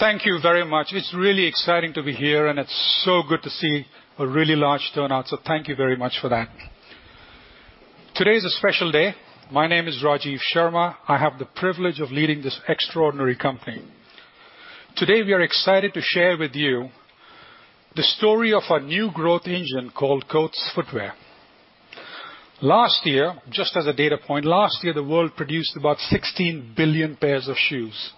Thank you very much. It's really exciting to be here, and it's so good to see a really large turnout, so thank you very much for that. Today is a special day. My name is Rajiv Sharma. I have the privilege of leading this extraordinary company. Today, we are excited to share with you the story of our new growth engine called Coats Footwear. Last year, just as a data point, last year, the world produced about 16 billion pairs of shoes.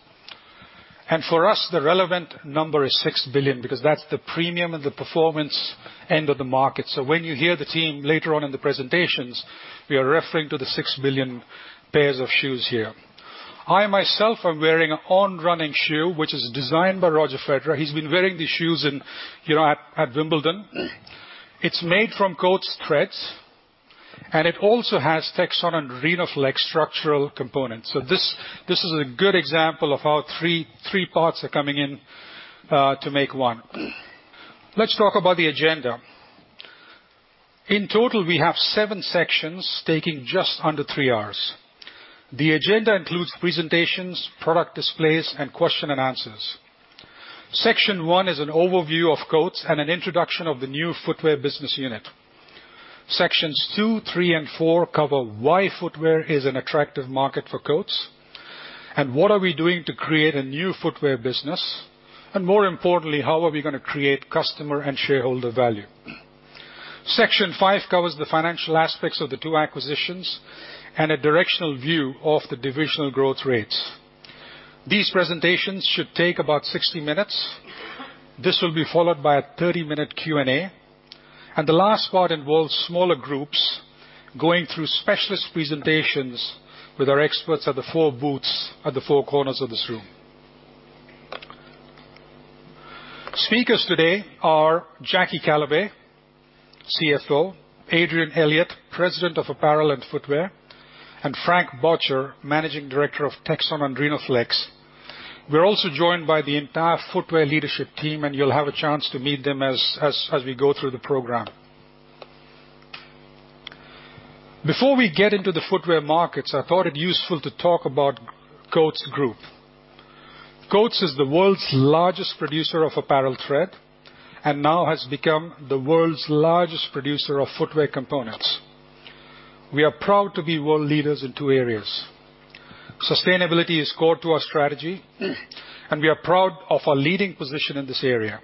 For us, the relevant number is 6 billion because that's the premium and the performance end of the market. When you hear the team later on in the presentations, we are referring to the 6 billion pairs of shoes here. I myself am wearing an On running shoe, which is designed by Roger Federer. He's been wearing these shoes in, you know, at Wimbledon. It's made from Coats threads, and it also has Texon and Rhenoflex structural components. This is a good example of how three parts are coming in to make one. Let's talk about the agenda. In total, we have seven sections taking just under three hours. The agenda includes presentations, product displays, and question and answers. Section one is an overview of Coats and an introduction of the new footwear business unit. Sections two, three, and four cover why footwear is an attractive market for Coats, and what are we doing to create a new footwear business, and more importantly, how are we gonna create customer and shareholder value? Section five covers the financial aspects of the two acquisitions and a directional view of the divisional growth rates. These presentations should take about 60 minutes. This will be followed by a 30-minute Q&A. The last part involves smaller groups going through specialist presentations with our experts at the four booths at the four corners of this room. Speakers today are Jackie Callaway, CFO, Adrian Elliott, President of Apparel and Footwear, and Frank Böttcher, Managing Director of Texon and Rhenoflex. We're also joined by the entire footwear leadership team, and you'll have a chance to meet them as we go through the program. Before we get into the footwear markets, I thought it useful to talk about Coats Group. Coats is the world's largest producer of apparel thread and now has become the world's largest producer of footwear components. We are proud to be world leaders in two areas. Sustainability is core to our strategy, and we are proud of our leading position in this area.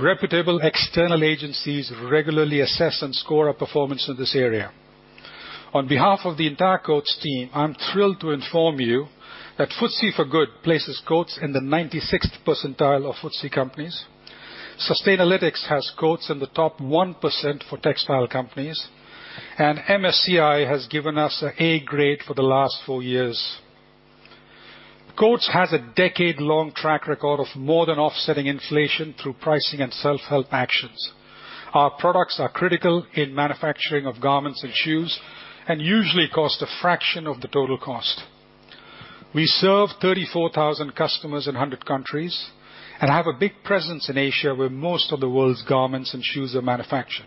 Reputable external agencies regularly assess and score our performance in this area. On behalf of the entire Coats team, I'm thrilled to inform you that FTSE4Good places Coats in the 96th percentile of FTSE companies. Sustainalytics has Coats in the top 1% for textile companies, and MSCI has given us an A grade for the last four years. Coats has a decade-long track record of more than offsetting inflation through pricing and self-help actions. Our products are critical in manufacturing of garments and shoes and usually cost a fraction of the total cost. We serve 34,000 customers in 100 countries and have a big presence in Asia, where most of the world's garments and shoes are manufactured.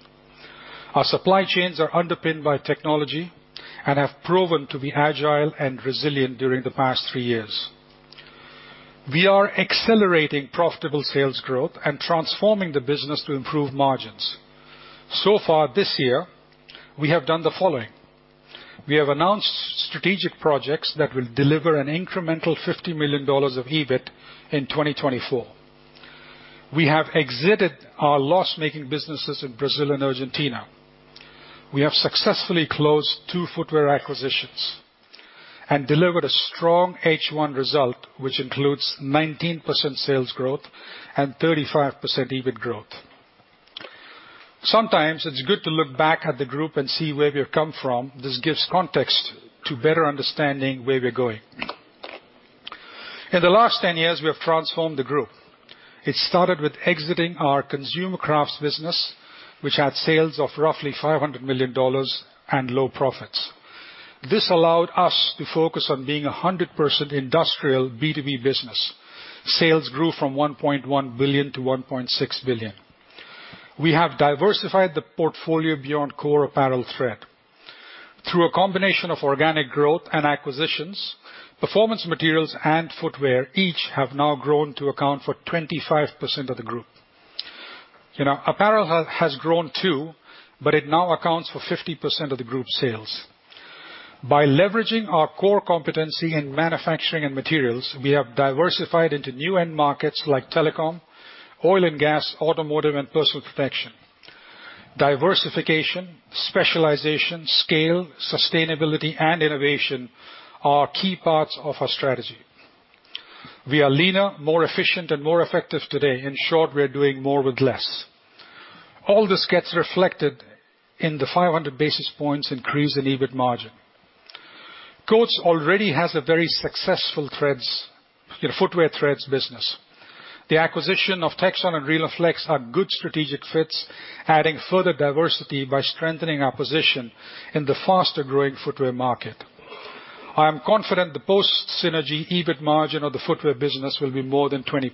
Our supply chains are underpinned by technology and have proven to be agile and resilient during the past three years. We are accelerating profitable sales growth and transforming the business to improve margins. So far this year, we have done the following. We have announced strategic projects that will deliver an incremental $50 million of EBIT in 2024. We have exited our loss-making businesses in Brazil and Argentina. We have successfully closed two footwear acquisitions and delivered a strong H1 result, which includes 19% sales growth and 35% EBIT growth. Sometimes it's good to look back at the group and see where we have come from. This gives context to better understanding where we're going. In the last 10 years, we have transformed the group. It started with exiting our Consumer Crafts business, which had sales of roughly $500 million and low profits. This allowed us to focus on being 100% industrial B2B business. Sales grew from $1.1 billion-$1.6 billion. We have diversified the portfolio beyond core apparel thread. Through a combination of organic growth and acquisitions, performance materials and footwear each have now grown to account for 25% of the group. You know, apparel has grown too, but it now accounts for 50% of the group's sales. By leveraging our core competency in manufacturing and materials, we have diversified into new end markets like telecom, oil and gas, automotive, and personal protection. Diversification, specialization, scale, sustainability, and innovation are key parts of our strategy. We are leaner, more efficient, and more effective today. In short, we are doing more with less. All this gets reflected in the 500 basis points increase in EBIT margin. Coats already has a very successful threads, you know, footwear threads business. The acquisition of Texon and Rhenoflex are good strategic fits, adding further diversity by strengthening our position in the faster-growing footwear market. I am confident the post-synergy EBIT margin of the footwear business will be more than 20%.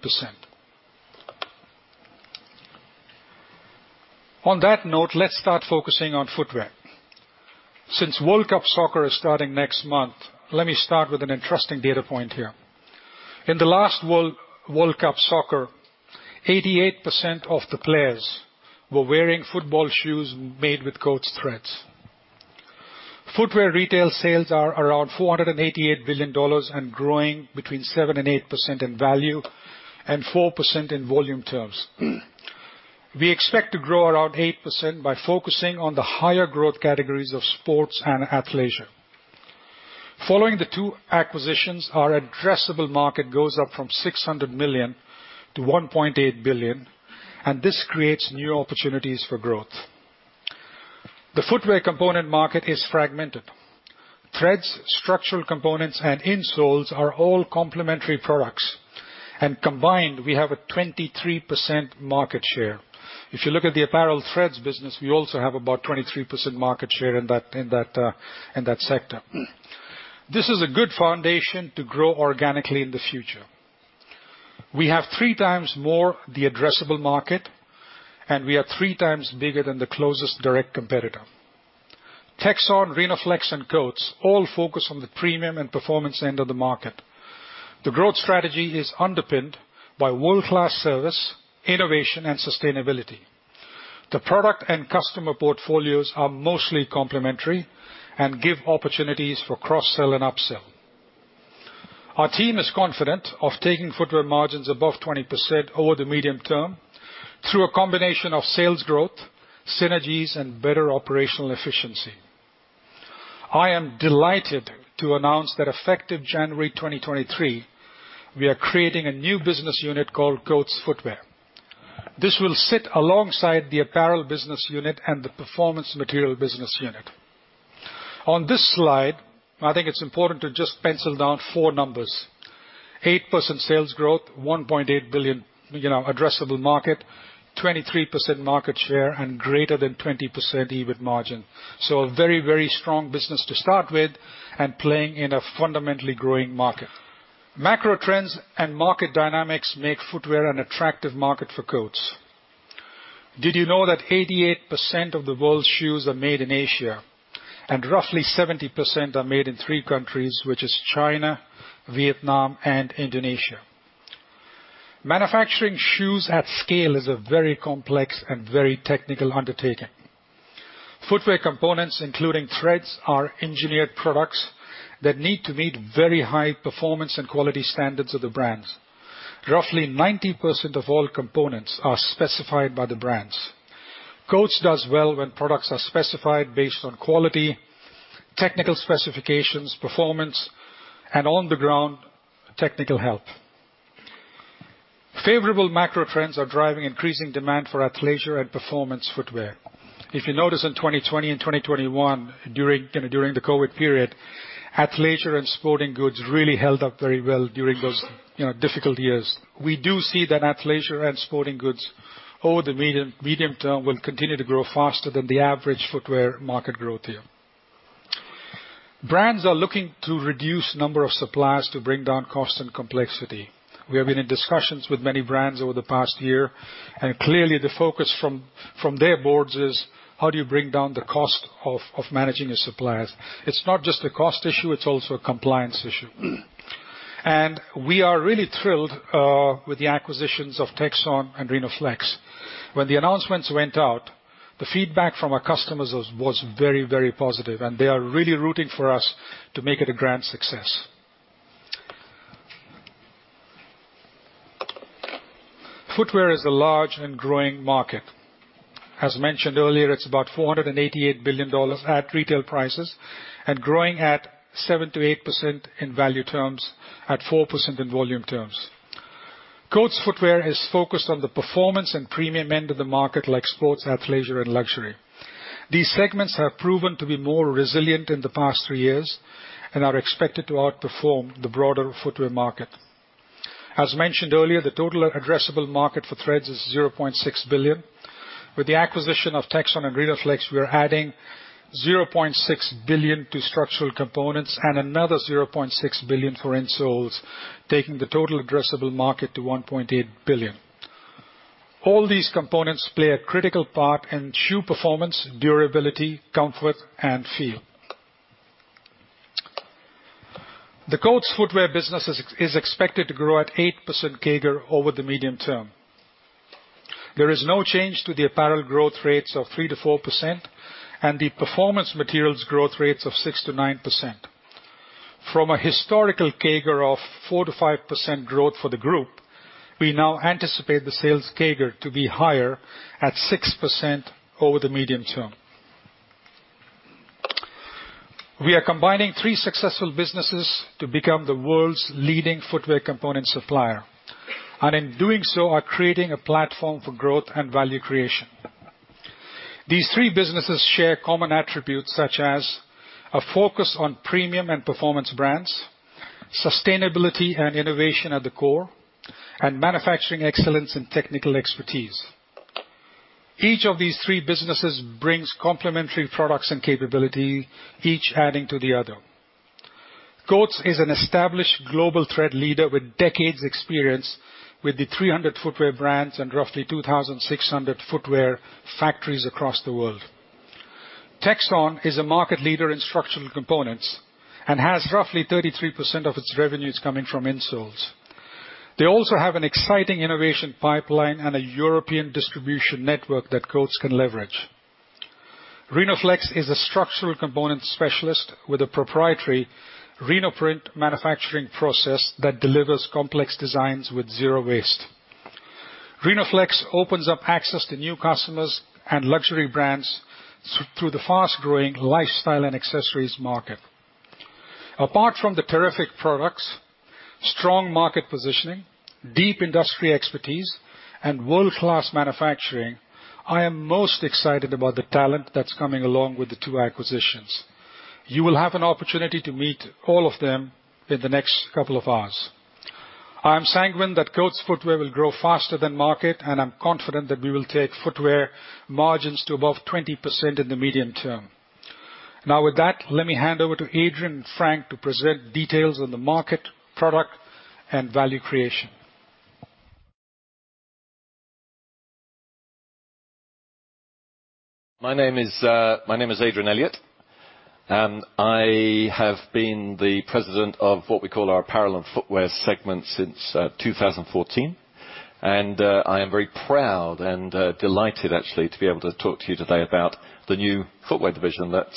On that note, let's start focusing on footwear. Since World Cup soccer is starting next month, let me start with an interesting data point here. In the last World Cup soccer, 88% of the players were wearing football shoes made with Coats threads. Footwear retail sales are around $488 billion and growing between 7% and 8% in value and 4% in volume terms. We expect to grow around 8% by focusing on the higher growth categories of sports and athleisure. Following the two acquisitions, our addressable market goes up from $600 million-$1.8 billion, and this creates new opportunities for growth. The footwear component market is fragmented. Threads, structural components, and insoles are all complementary products, and combined, we have a 23% market share. If you look at the apparel threads business, we also have about 23% market share in that sector. This is a good foundation to grow organically in the future. We have three times more the addressable market, and we are three times bigger than the closest direct competitor. Texon, Rhenoflex, and Coats all focus on the premium and performance end of the market. The growth strategy is underpinned by world-class service, innovation, and sustainability. The product and customer portfolios are mostly complementary and give opportunities for cross-sell and upsell. Our team is confident of taking footwear margins above 20% over the medium term through a combination of sales growth, synergies, and better operational efficiency. I am delighted to announce that effective January 2023, we are creating a new business unit called Coats Footwear. This will sit alongside the apparel business unit and the performance material business unit. On this slide, I think it's important to just pencil down four numbers. 8% sales growth, $1.8 billion, you know, addressable market, 23% market share, and greater than 20% EBIT margin. A very, very strong business to start with and playing in a fundamentally growing market. Macro trends and market dynamics make footwear an attractive market for Coats. Did you know that 88% of the world's shoes are made in Asia, and roughly 70% are made in three countries, which is China, Vietnam, and Indonesia? Manufacturing shoes at scale is a very complex and very technical undertaking. Footwear components, including threads, are engineered products that need to meet very high performance and quality standards of the brands. Roughly 90% of all components are specified by the brands. Coats does well when products are specified based on quality, technical specifications, performance, and on-the-ground technical help. Favorable macro trends are driving increasing demand for athleisure and performance footwear. If you notice in 2020 and 2021 during the COVID period, athleisure and sporting goods really held up very well during those, you know, difficult years. We do see that athleisure and sporting goods over the medium term will continue to grow faster than the average footwear market growth here. Brands are looking to reduce number of suppliers to bring down costs and complexity. We have been in discussions with many brands over the past year, and clearly the focus from their boards is how do you bring down the cost of managing your suppliers? It's not just a cost issue, it's also a compliance issue. We are really thrilled with the acquisitions of Texon and Rhenoflex. When the announcements went out, the feedback from our customers was very positive, and they are really rooting for us to make it a grand success. Footwear is a large and growing market. As mentioned earlier, it's about $488 billion at retail prices and growing at 7%-8% in value terms, at 4% in volume terms. Coats Footwear is focused on the performance and premium end of the market, like sports, athleisure, and luxury. These segments have proven to be more resilient in the past three years and are expected to outperform the broader footwear market. As mentioned earlier, the total addressable market for threads is $0.6 billion. With the acquisition of Texon and Rhenoflex, we are adding $0.6 billion to structural components and another $0.6 billion for insoles, taking the total addressable market to $1.8 billion. All these components play a critical part in shoe performance, durability, comfort, and feel. The Coats Footwear business is expected to grow at 8% CAGR over the medium term. There is no change to the apparel growth rates of 3%-4% and the performance materials growth rates of 6%-9%. From a historical CAGR of 4%-5% growth for the group, we now anticipate the sales CAGR to be higher at 6% over the medium term. We are combining three successful businesses to become the world's leading footwear component supplier, and in doing so, are creating a platform for growth and value creation. These three businesses share common attributes such as a focus on premium and performance brands, sustainability and innovation at the core, and manufacturing excellence and technical expertise. Each of these three businesses brings complementary products and capability, each adding to the other. Coats is an established global thread leader with decades of experience with the 300 footwear brands and roughly 2,600 footwear factories across the world. Texon is a market leader in structural components and has roughly 33% of its revenues coming from insoles. They also have an exciting innovation pipeline and a European distribution network that Coats can leverage. Rhenoflex is a structural component specialist with a proprietary Rhenoprint manufacturing process that delivers complex designs with zero waste. Rhenoflex opens up access to new customers and luxury brands through the fast-growing lifestyle and accessories market. Apart from the terrific products, strong market positioning, deep industry expertise, and world-class manufacturing, I am most excited about the talent that's coming along with the two acquisitions. You will have an opportunity to meet all of them in the next couple of hours. I'm sanguine that Coats Footwear will grow faster than market, and I'm confident that we will take footwear margins to above 20% in the medium term. Now, with that, let me hand over to Adrian and Frank to present details on the market, product, and value creation. My name is Adrian Elliott, and I have been the president of what we call our apparel and footwear segment since 2014. I am very proud and delighted, actually, to be able to talk to you today about the new footwear division that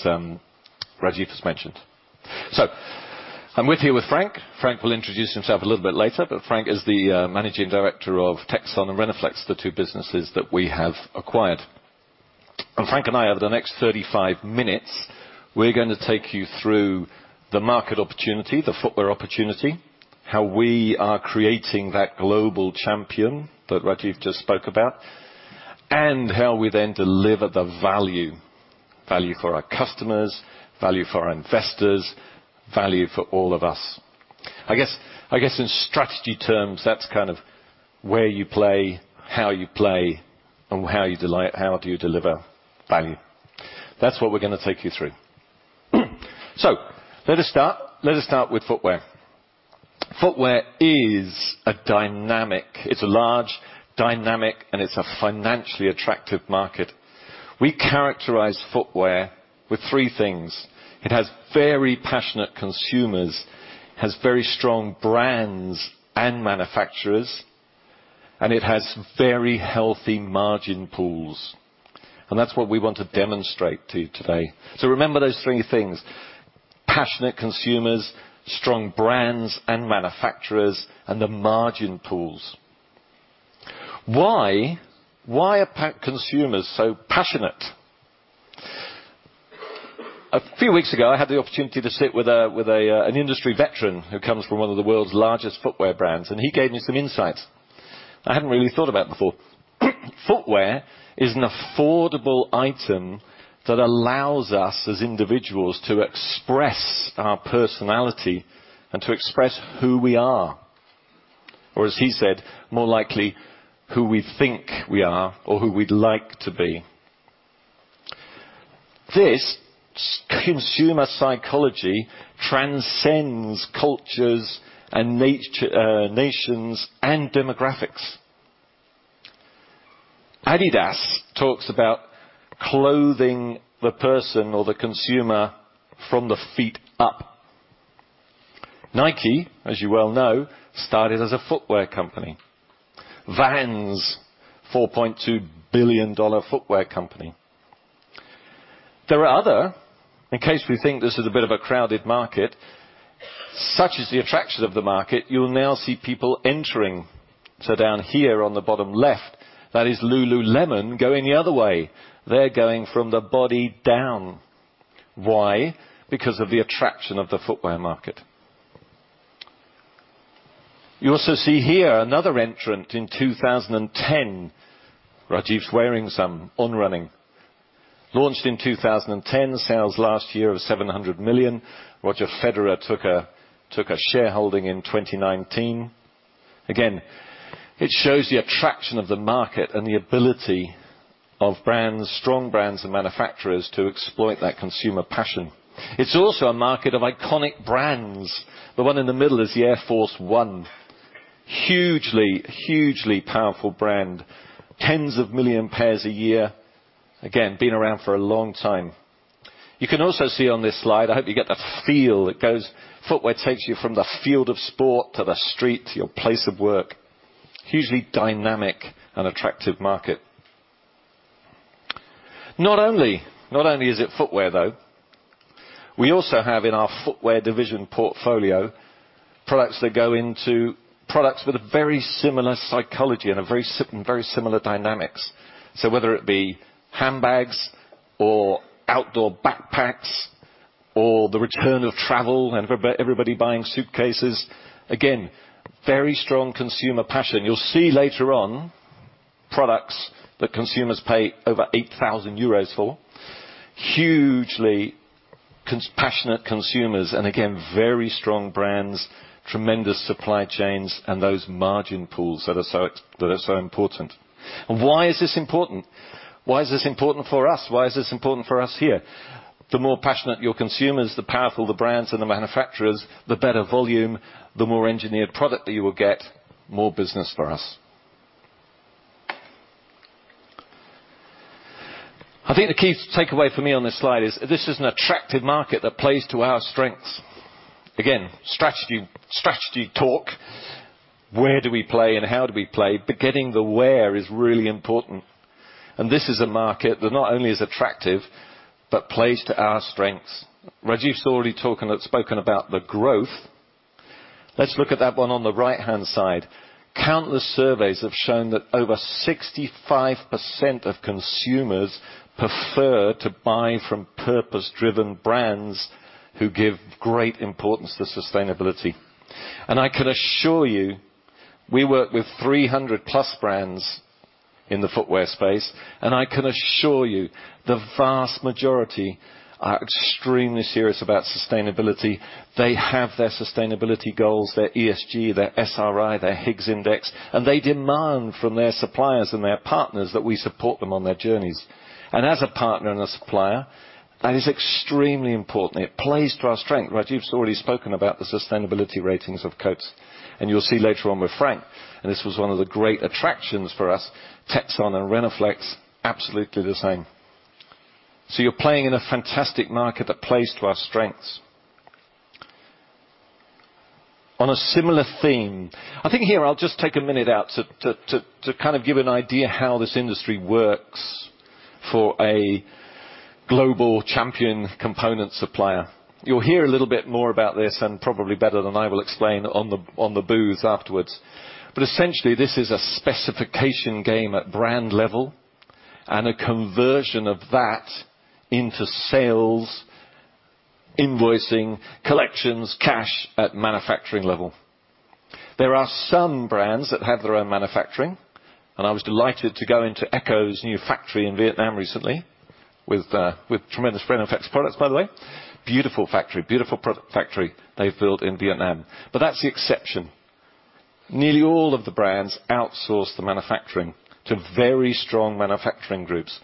Rajiv just mentioned. I'm with you with Frank. Frank will introduce himself a little bit later, but Frank is the Managing Director of Texon and Rhenoflex, the two businesses that we have acquired. Frank and I, over the next 35 minutes, we're gonna take you through the market opportunity, the footwear opportunity, how we are creating that global champion that Rajiv just spoke about, and how we then deliver the value. Value for our customers, value for our investors, value for all of us. I guess in strategy terms, that's kind of where you play, how you play, and how you deliver value. That's what we're gonna take you through. Let us start with footwear. Footwear is a large dynamic, and it's a financially attractive market. We characterize footwear with three things. It has very passionate consumers, has very strong brands and manufacturers, and it has very healthy margin pools. That's what we want to demonstrate to you today. Remember those three things, passionate consumers, strong brands and manufacturers, and the margin pools. Why are consumers so passionate? A few weeks ago, I had the opportunity to sit with an industry veteran who comes from one of the world's largest footwear brands, and he gave me some insights I hadn't really thought about before. Footwear is an affordable item that allows us as individuals to express our personality and to express who we are, or as he said, more likely, who we think we are or who we'd like to be. This consumer psychology transcends cultures and nations and demographics. Adidas talks about clothing the person or the consumer from the feet up. Nike, as you well know, started as a footwear company. Vans, $4.2 billion footwear company. There are other, in case we think this is a bit of a crowded market, such is the attraction of the market, you'll now see people entering. Down here on the bottom left, that is lululemon going the other way. They're going from the body down. Why? Because of the attraction of the footwear market. You also see here another entrant in 2010. Rajiv's wearing some On Running. Launched in 2010. Sales last year of $700 million. Roger Federer took a shareholding in 2019. Again, it shows the attraction of the market and the ability of brands, strong brands and manufacturers, to exploit that consumer passion. It's also a market of iconic brands. The one in the middle is the Air Force 1. Hugely powerful brand. Tens of millions of pairs a year. Again, been around for a long time. You can also see on this slide, I hope you get the feel, it goes. Footwear takes you from the field of sport to the street to your place of work. Hugely dynamic and attractive market. Not only is it footwear, though. We also have in our footwear division portfolio products that go into products with a very similar psychology and a very similar dynamics. So whether it be handbags or outdoor backpacks or the return of travel and everybody buying suitcases, again, very strong consumer passion. You'll see later on products that consumers pay over 8,000 euros for. Hugely passionate consumers and again, very strong brands, tremendous supply chains, and those margin pools that are so important. Why is this important? Why is this important for us? Why is this important for us here? The more passionate your consumers, the more powerful the brands and the manufacturers, the better volume, the more engineered product that you will get, more business for us. I think the key takeaway for me on this slide is this is an attractive market that plays to our strengths. Again, strategy talk. Where do we play and how do we play? Getting the where is really important. This is a market that not only is attractive, but plays to our strengths. Rajiv's already spoken about the growth. Let's look at that one on the right-hand side. Countless surveys have shown that over 65% of consumers prefer to buy from purpose-driven brands who give great importance to sustainability. I can assure you, we work with 300+ brands in the footwear space, and I can assure you the vast majority are extremely serious about sustainability. They have their sustainability goals, their ESG, their SRI, their Higg Index, and they demand from their suppliers and their partners that we support them on their journeys. As a partner and a supplier, that is extremely important. It plays to our strength. Rajiv's already spoken about the sustainability ratings of Coats, and you'll see later on with Frank, and this was one of the great attractions for us, Texon and Rhenoflex, absolutely the same. You're playing in a fantastic market that plays to our strengths. On a similar theme, I think here I'll just take a minute out to kind of give an idea how this industry works for a global champion component supplier. You'll hear a little bit more about this and probably better than I will explain on the booth afterwards. Essentially, this is a specification game at brand level and a conversion of that into sales, invoicing, collections, cash at manufacturing level. There are some brands that have their own manufacturing, and I was delighted to go into ECCO's new factory in Vietnam recently with tremendous Rhenoflex products, by the way. Beautiful factory, beautiful product factory they've built in Vietnam. That's the exception. Nearly all of the brands outsource the manufacturing to very strong manufacturing groups.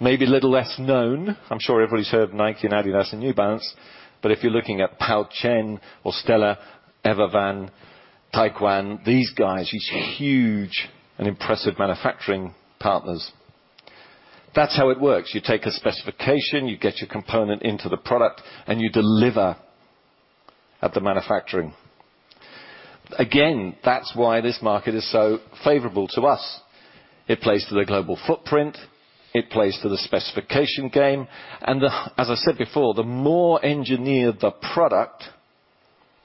Maybe a little less known. I'm sure everybody's heard of Nike and Adidas and New Balance, but if you're looking at Pou Chen or Stella, Evervan, Taekwang, these guys, these huge and impressive manufacturing partners. That's how it works. You take a specification, you get your component into the product, and you deliver at the manufacturing. Again, that's why this market is so favorable to us. It plays to the global footprint, it plays to the specification game, and. As I said before, the more engineered the product,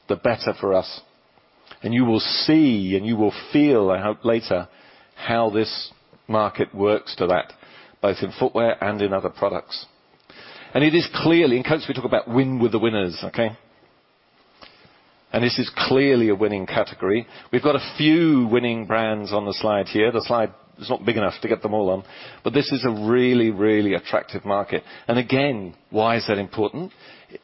the better for us. You will see and you will feel, I hope later, how this market works to that, both in footwear and in other products. It is clearly, in Coats we talk about win with the winners, okay? This is clearly a winning category. We've got a few winning brands on the slide here. The slide is not big enough to get them all on, but this is a really, really attractive market. Again, why is that important?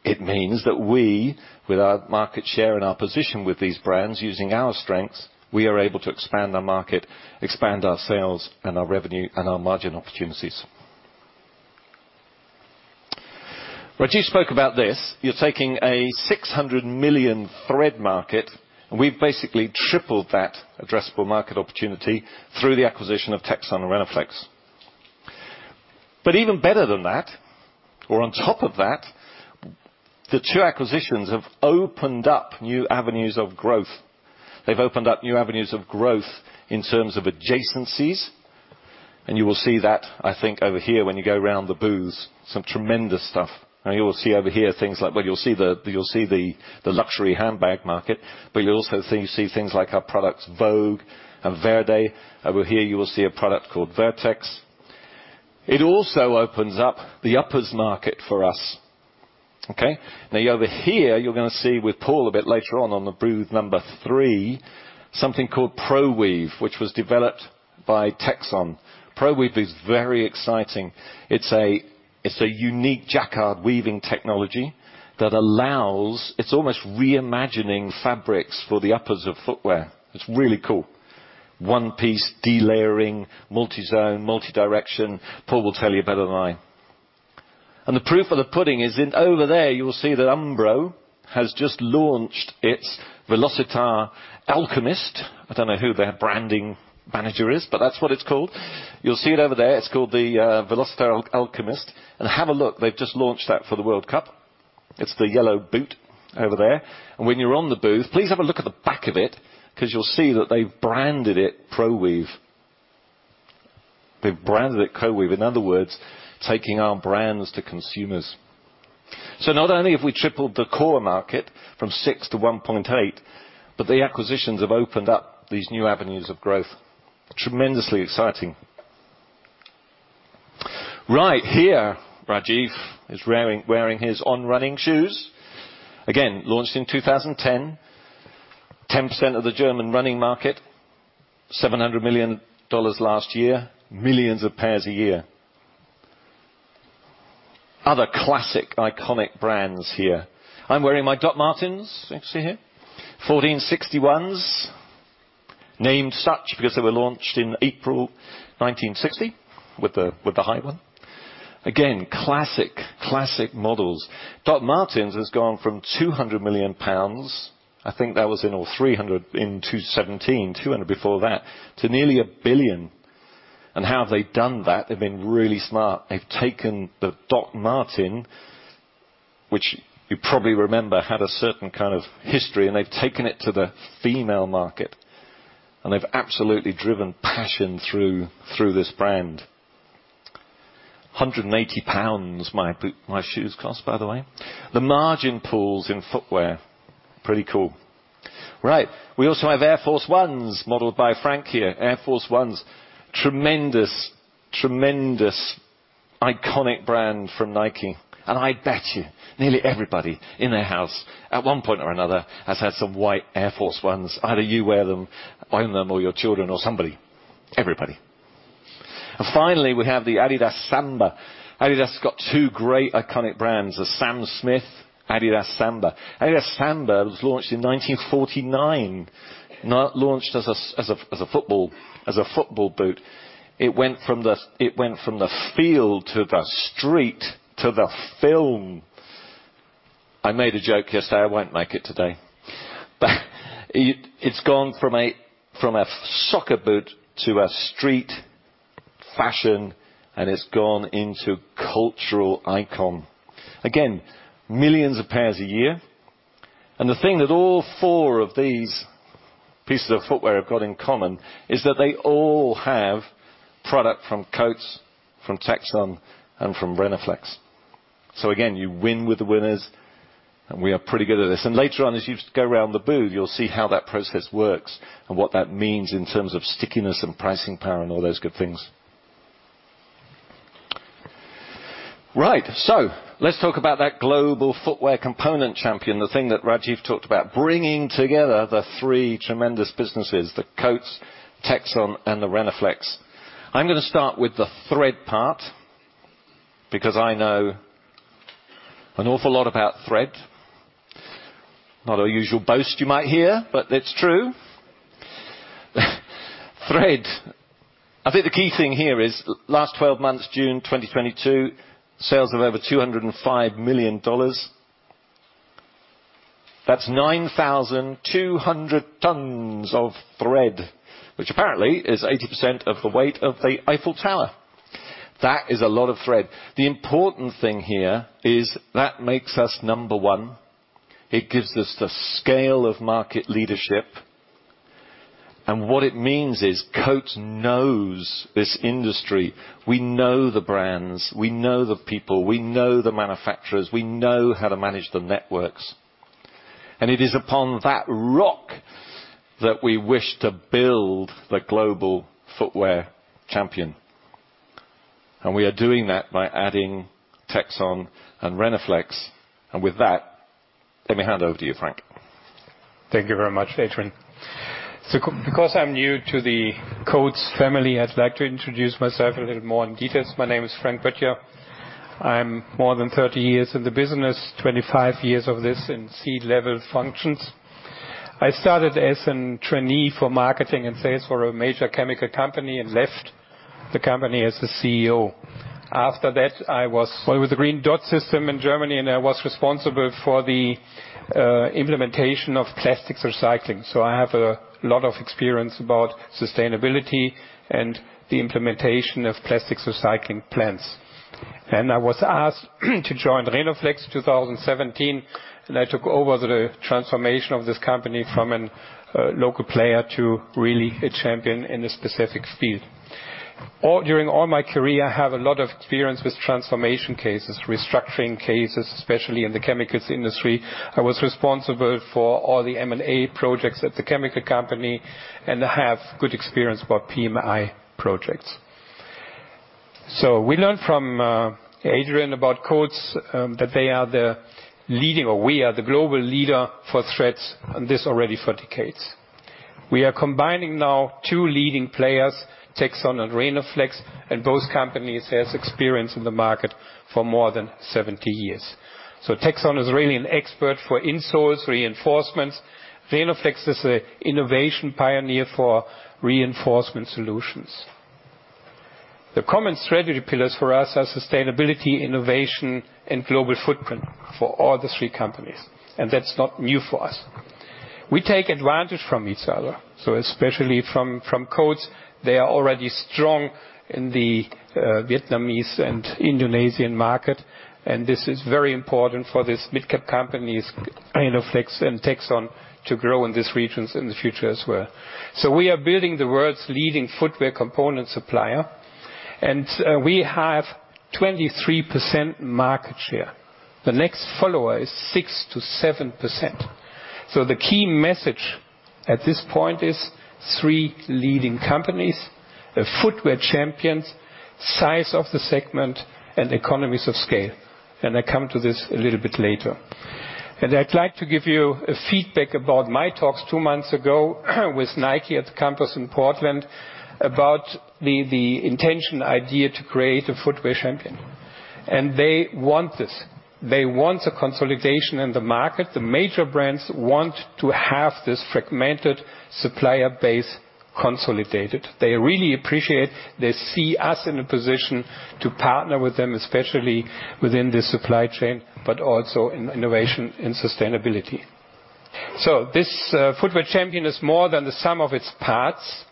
It means that we, with our market share and our position with these brands using our strengths, we are able to expand our market, expand our sales and our revenue and our margin opportunities. Rajiv spoke about this. You're taking a $600 million thread market, and we've basically tripled that addressable market opportunity through the acquisition of Texon and Rhenoflex. Even better than that, or on top of that, the two acquisitions have opened up new avenues of growth. They've opened up new avenues of growth in terms of adjacencies, and you will see that, I think, over here when you go around the booths, some tremendous stuff. You will see over here things like. Well, you'll see the luxury handbag market, but you'll also see things like our products Vogue and Verde. Over here, you will see a product called Vertex. It also opens up the uppers market for us. Okay. Now over here, you're gonna see with Paul a bit later on the booth number three, something called ProWeave, which was developed by Texon. ProWeave is very exciting. It's a unique jacquard weaving technology that allows. It's almost reimagining fabrics for the uppers of footwear. It's really cool. One piece delayering, multi-zone, multi-direction. Paul will tell you better than I. The proof of the pudding is in over there you will see that Umbro has just launched its Velocita Alchemist. I don't know who their branding manager is, but that's what it's called. You'll see it over there. It's called the Velocita Alchemist. Have a look, they've just launched that for the World Cup. It's the yellow boot over there. When you're on the booth, please have a look at the back of it because you'll see that they've branded it ProWeave. They've branded it ProWeave. In other words, taking our brands to consumers. Not only have we tripled the core market from six to 1.8, but the acquisitions have opened up these new avenues of growth. Tremendously exciting. Right here, Rajiv is wearing his On running shoes. Again, launched in 2010, 10% of the German running market, $700 million last year, millions of pairs a year. Other classic iconic brands here. I'm wearing my Dr. Martens, you can see here. 1460s. Named such because they were launched in April 1960 with the high one. Again, classic models. Dr. Martens has gone from 200 million pounds, I think that was in '07 or 300 million in 2017, to nearly a billion. How have they done that? They've been really smart. They've taken the Dr. Martens, which you probably remember had a certain kind of history, and they've taken it to the female market, and they've absolutely driven passion through this brand. 180 pounds, my shoes cost, by the way. The margin pools in footwear, pretty cool. Right. We also have Air Force 1s modeled by Frank here. Air Force 1s, tremendous iconic brand from Nike. I bet you nearly everybody in their house, at one point or another, has had some white Air Force 1s. Either you wear them, own them, or your children or somebody, everybody. Finally, we have the Adidas Samba. Adidas has got two great iconic brands, the Stan Smith, Adidas Samba. Adidas Samba was launched in 1949. Launched as a football boot. It went from the field to the street to the film. I made a joke yesterday, I won't make it today. It's gone from a soccer boot to a street fashion, and it's gone into cultural icon. Again, millions of pairs a year. The thing that all four of these pieces of footwear have got in common is that they all have product from Coats, from Texon, and from Rhenoflex. Again, you win with the winners, and we are pretty good at this. Later on, as you go around the booth, you'll see how that process works and what that means in terms of stickiness and pricing power and all those good things. Right. Let's talk about that global footwear component champion, the thing that Rajiv talked about, bringing together the three tremendous businesses, the Coats, Texon, and the Rhenoflex. I'm gonna start with the thread part because I know an awful lot about thread. Not a usual boast you might hear, but it's true. Thread. I think the key thing here is last twelve months, June 2022, sales of over $205 million. That's 9,200 tons of thread, which apparently is 80% of the weight of the Eiffel Tower. That is a lot of thread. The important thing here is that makes us number one. It gives us the scale of market leadership. What it means is Coats knows this industry. We know the brands, we know the people, we know the manufacturers, we know how to manage the networks. It is upon that rock that we wish to build the global footwear champion. We are doing that by adding Texon and Rhenoflex. With that, let me hand over to you, Frank. Thank you very much, Adrian. Because I'm new to the Coats family, I'd like to introduce myself a little more in details. My name is Frank Böttcher. I'm more than 30 years in the business, 25 years of this in C-level functions. I started as a trainee for marketing and sales for a major chemical company and left the company as the CEO. After that, I was with the Green Dot system in Germany, and I was responsible for the implementation of plastics recycling. I have a lot of experience about sustainability and the implementation of plastics recycling plants. I was asked to join Rhenoflex in 2017, and I took over the transformation of this company from a local player to really a champion in a specific field. During all my career, I have a lot of experience with transformation cases, restructuring cases, especially in the chemicals industry. I was responsible for all the M&A projects at the chemical company, and I have good experience about PMI projects. We learned from Adrian about Coats, that they are the leading, or we are the global leader for threads, and this already for decades. We are combining now two leading players, Texon and Rhenoflex, and both companies has experience in the market for more than 70 years. Texon is really an expert for insoles, reinforcements. Rhenoflex is a innovation pioneer for reinforcement solutions. The common strategy pillars for us are sustainability, innovation, and global footprint for all the three companies, and that's not new for us. We take advantage from each other. Especially from Coats, they are already strong in the Vietnamese and Indonesian market, and this is very important for this midcap companies, Rhenoflex and Texon, to grow in these regions in the future as well. We are building the world's leading footwear component supplier, and we have 23% market share. The next follower is 6%-7%. The key message at this point is three leading companies, a footwear champions, size of the segment, and economies of scale. I come to this a little bit later. I'd like to give you a feedback about my talks two months ago with Nike at the campus in Portland about the intention idea to create a footwear champion. They want this. They want a consolidation in the market. The major brands want to have this fragmented supplier base consolidated. They really appreciate. They see us in a position to partner with them, especially within the supply chain, but also in innovation and sustainability. This footwear champion is more than the sum of its parts.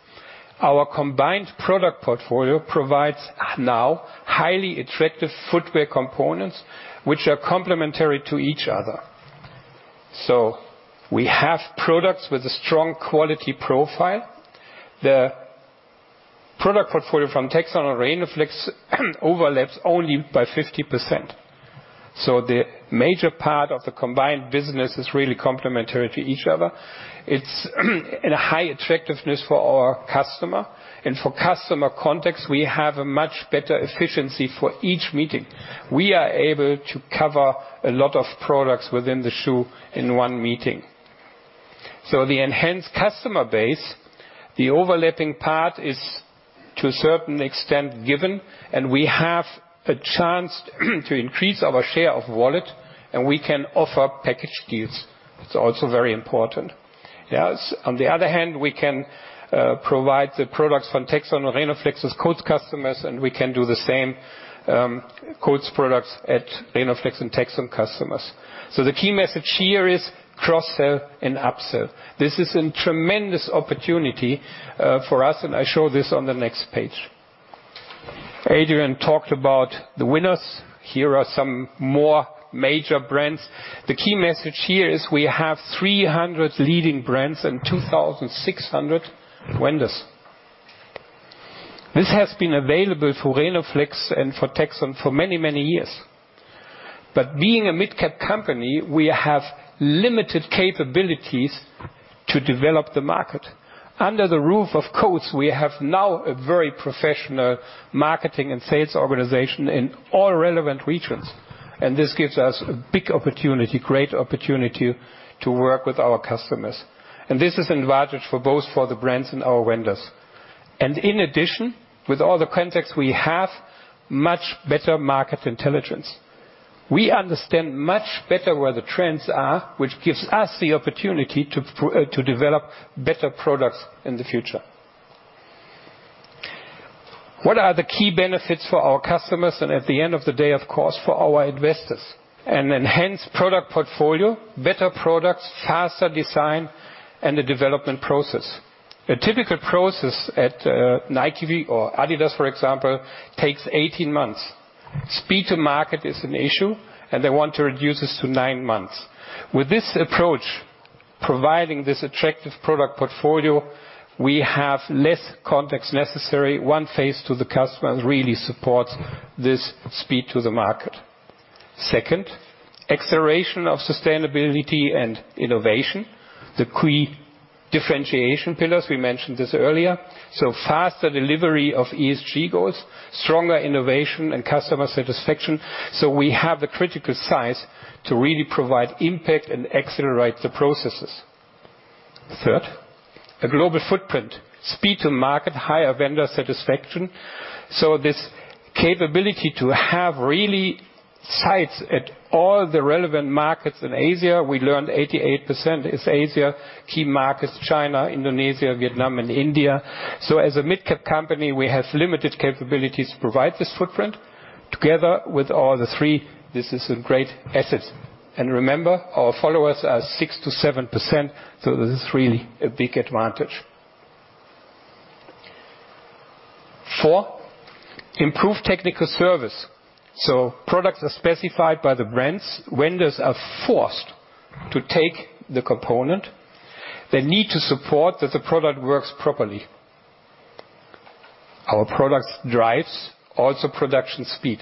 Our combined product portfolio provides now highly effective footwear components, which are complementary to each other. We have products with a strong quality profile. The product portfolio from Texon or Rhenoflex overlaps only by 50%. The major part of the combined business is really complementary to each other. It's in a high attractiveness for our customer and for customer context, we have a much better efficiency for each meeting. We are able to cover a lot of products within the shoe in one meeting. The enhanced customer base, the overlapping part is to a certain extent given, and we have a chance to increase our share of wallet, and we can offer package deals. It's also very important. Yes. On the other hand, we can provide the products from Texon or Rhenoflex's Coats customers, and we can do the same, Coats products at Rhenoflex and Texon customers. The key message here is cross-sell and up-sell. This is a tremendous opportunity, for us, and I show this on the next page. Adrian talked about the winners. Here are some more major brands. The key message here is we have 300 leading brands and 2,600 vendors. This has been available for Rhenoflex and for Texon for many, many years. Being a mid-cap company, we have limited capabilities to develop the market. Under the roof of Coats, we have now a very professional marketing and sales organization in all relevant regions, and this gives us a big opportunity, great opportunity to work with our customers. This is advantage for both for the brands and our vendors. In addition, with all the context, we have much better market intelligence. We understand much better where the trends are, which gives us the opportunity to develop better products in the future. What are the key benefits for our customers and at the end of the day, of course, for our investors? An enhanced product portfolio, better products, faster design and the development process. A typical process at Nike or Adidas, for example, takes 18 months. Speed to market is an issue, and they want to reduce this to nine months. With this approach, providing this attractive product portfolio, we have less contacts necessary. One face to the customer really supports this speed to the market. Second, acceleration of sustainability and innovation, the key differentiation pillars, we mentioned this earlier. Faster delivery of ESG goals, stronger innovation and customer satisfaction. We have the critical size to really provide impact and accelerate the processes. Third, a global footprint. Speed to market, higher vendor satisfaction. This capability to have really sites at all the relevant markets in Asia, we learned 88% is Asia. Key markets: China, Indonesia, Vietnam and India. As a mid-cap company, we have limited capabilities to provide this footprint. Together with all the three, this is a great asset. Remember, our followers are 6%-7%, so this is really a big advantage. Four, improve technical service. Products are specified by the brands. Vendors are forced to take the component. They need to support that the product works properly. Our products drives also production speed.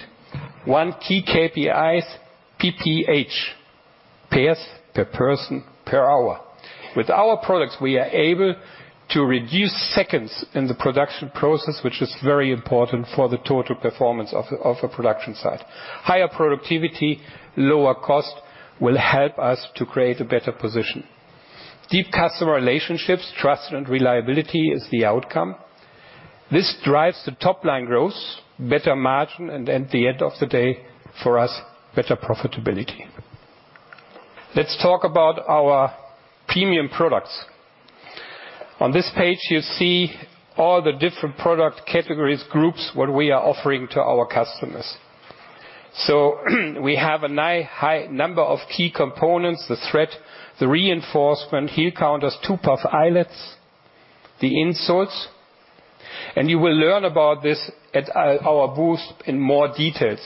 One key KPI is PPH, pairs per person per hour. With our products, we are able to reduce seconds in the production process, which is very important for the total performance of a production site. Higher productivity, lower cost will help us to create a better position. Deep customer relationships, trust and reliability is the outcome. This drives the top-line growth, better margin, and at the end of the day, for us, better profitability. Let's talk about our premium products. On this page, you see all the different product categories, groups, what we are offering to our customers. We have a high number of key components, the thread, the reinforcement, heel counters, toe puffs, eyelets, the insoles. You will learn about this at our booth in more details.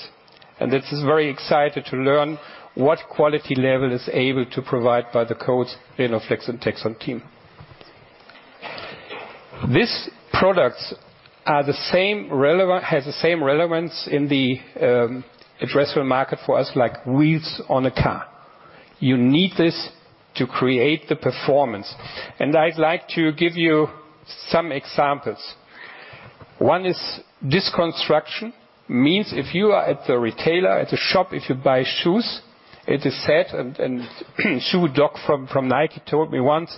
This is very excited to learn what quality level is able to provide by the Coats, Rhenoflex and Texon team. These products have the same relevance in the addressable market for us like wheels on a car. You need this to create the performance. I'd like to give you some examples. One is this construction. Means if you are at the retailer, at the shop, if you buy shoes, it is said, and shoe doc from Nike told me once: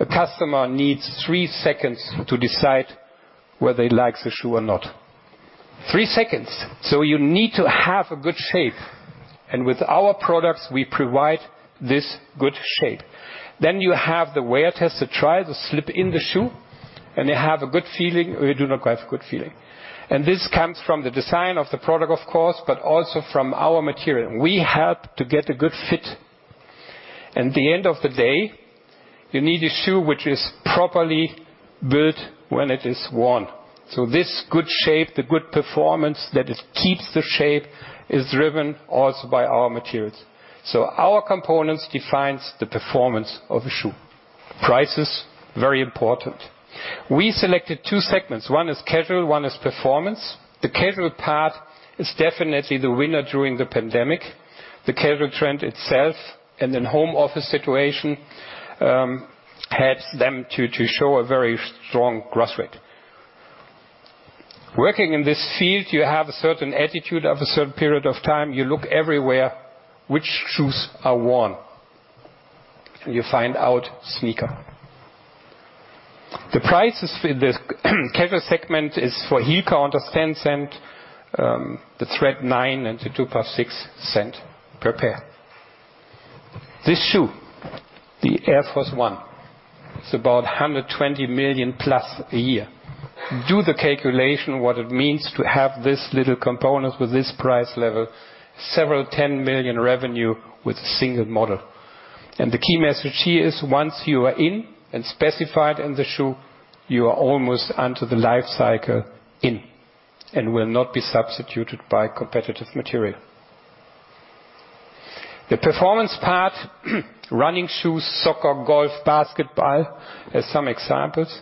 "A customer needs three seconds to decide whether he likes the shoe or not." Three seconds. You need to have a good shape. With our products, we provide this good shape. You have the wear tester try to slip in the shoe, and they have a good feeling, or you do not have a good feeling. This comes from the design of the product, of course, but also from our material. We help to get a good fit. At the end of the day, you need a shoe which is properly built when it is worn. This good shape, the good performance that it keeps the shape is driven also by our materials. Our components defines the performance of a shoe. Prices, very important. We selected two segments. One is casual, one is performance. The casual part is definitely the winner during the pandemic. The casual trend itself and then home office situation helps them to show a very strong growth rate. Working in this field, you have a certain attitude of a certain period of time. You look everywhere which shoes are worn. You find out sneaker. The prices for this casual segment is for heel counter $0.10, the thread $0.09 and the toe puff $0.06 per pair. This shoe, the Air Force 1, is about $120 million+ a year. Do the calculation what it means to have this little component with this price level. Several tens of millions revenue with a single model. The key message here is once you are in and specified in the shoe, you are almost under the life cycle in and will not be substituted by competitive material. The performance part, running shoes, soccer, golf, basketball, as some examples.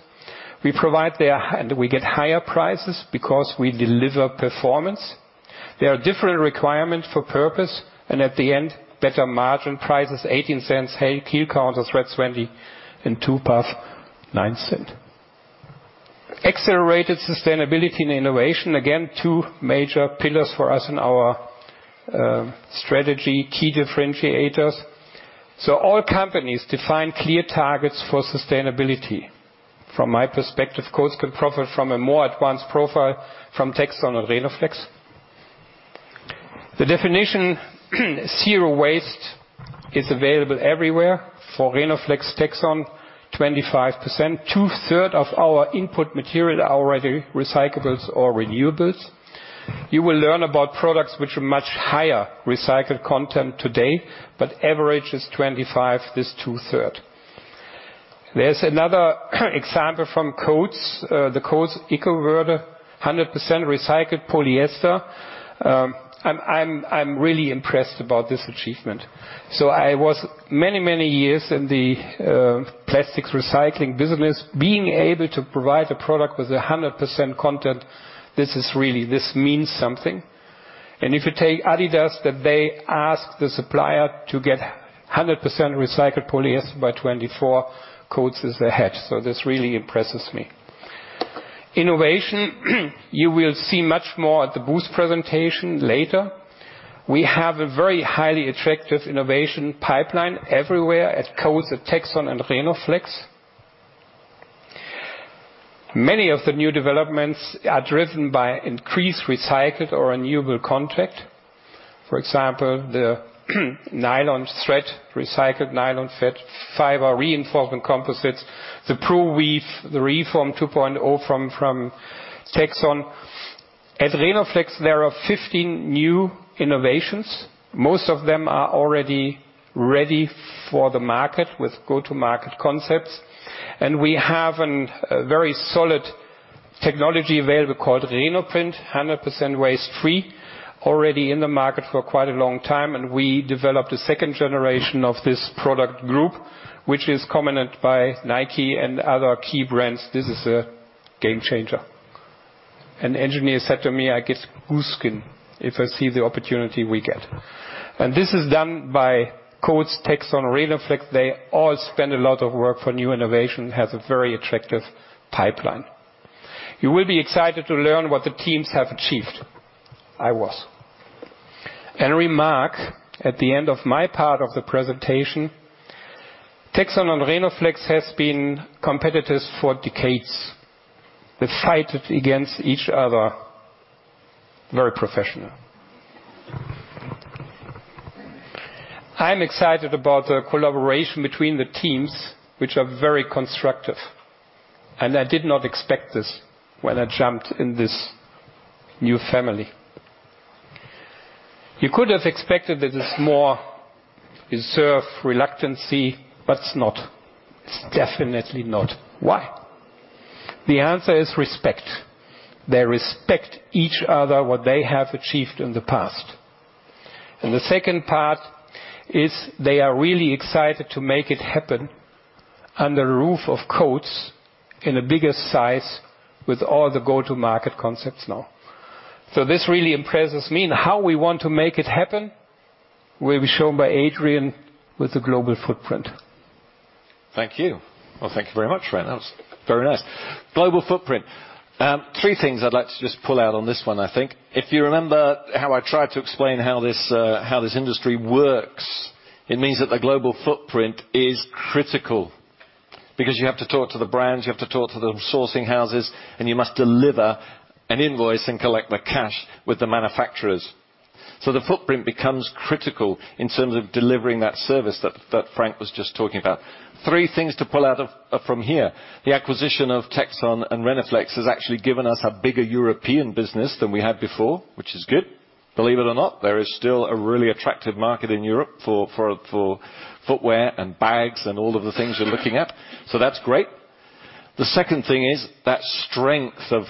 We provide there. We get higher prices because we deliver performance. There are different requirements for purpose and at the end, better margin prices $0.18, heel counter thread $0.20 and $2.09. Accelerated sustainability and innovation. Again, two major pillars for us in our strategy, key differentiators. All companies define clear targets for sustainability. From my perspective, Coats could profit from a more advanced profile from Texon and Rhenoflex. The definition zero waste is available everywhere. For Rhenoflex, Texon, 25%. Two-thirds of our input material are already recyclables or renewables. You will learn about products which are much higher recycled content today, but average is 25, this two-thirds. There's another example from Coats. The Coats EcoVerde, 100% recycled polyester. I'm really impressed about this achievement. I was many, many years in the plastics recycling business. Being able to provide a product with 100% content, this is really this means something. If you take Adidas, that they ask the supplier to get 100% recycled polyester by 2024, Coats is ahead. This really impresses me. Innovation, you will see much more at the boost presentation later. We have a very highly attractive innovation pipeline everywhere at Coats, at Texon and Rhenoflex. Many of the new developments are driven by increased recycled or renewable content. For example, the nylon thread, recycled nylon thread-fiber reinforcement composites, the ProWeave, the Reform 2.0 from Texon. At Rhenoflex, there are 15 new innovations. Most of them are already ready for the market with go-to-market concepts. We have a very solid technology available called Rhenoprint, 100% waste-free, already in the market for quite a long time, and we developed a second generation of this product group, which is commended by Nike and other key brands. This is a game changer. An engineer said to me, "I get goosebumps if I see the opportunity we get." This is done by Coats, Texon, Rhenoflex. They all spend a lot of work for new innovation, has a very attractive pipeline. You will be excited to learn what the teams have achieved. I was. Remark at the end of my part of the presentation, Texon and Rhenoflex has been competitors for decades. They've fought against each other, very professional. I am excited about the collaboration between the teams, which are very constructive, and I did not expect this when I jumped in this new family. You could have expected that it's more reserved, reluctance, but it's not. It's definitely not. Why? The answer is respect. They respect each other, what they have achieved in the past. The second part is they are really excited to make it happen under the roof of Coats in a bigger size with all the go-to-market concepts now. This really impresses me and how we want to make it happen will be shown by Adrian with the global footprint. Thank you. Well, thank you very much, Rene. That was very nice. Global footprint. Three things I'd like to just pull out on this one, I think. If you remember how I tried to explain how this industry works, it means that the global footprint is critical. Because you have to talk to the brands, you have to talk to the sourcing houses, and you must deliver an invoice and collect the cash with the manufacturers. So the footprint becomes critical in terms of delivering that service that Frank was just talking about. Three things to pull out from here. The acquisition of Texon and Rhenoflex has actually given us a bigger European business than we had before, which is good. Believe it or not, there is still a really attractive market in Europe for footwear and bags and all of the things you're looking at. That's great. The second thing is that strength of.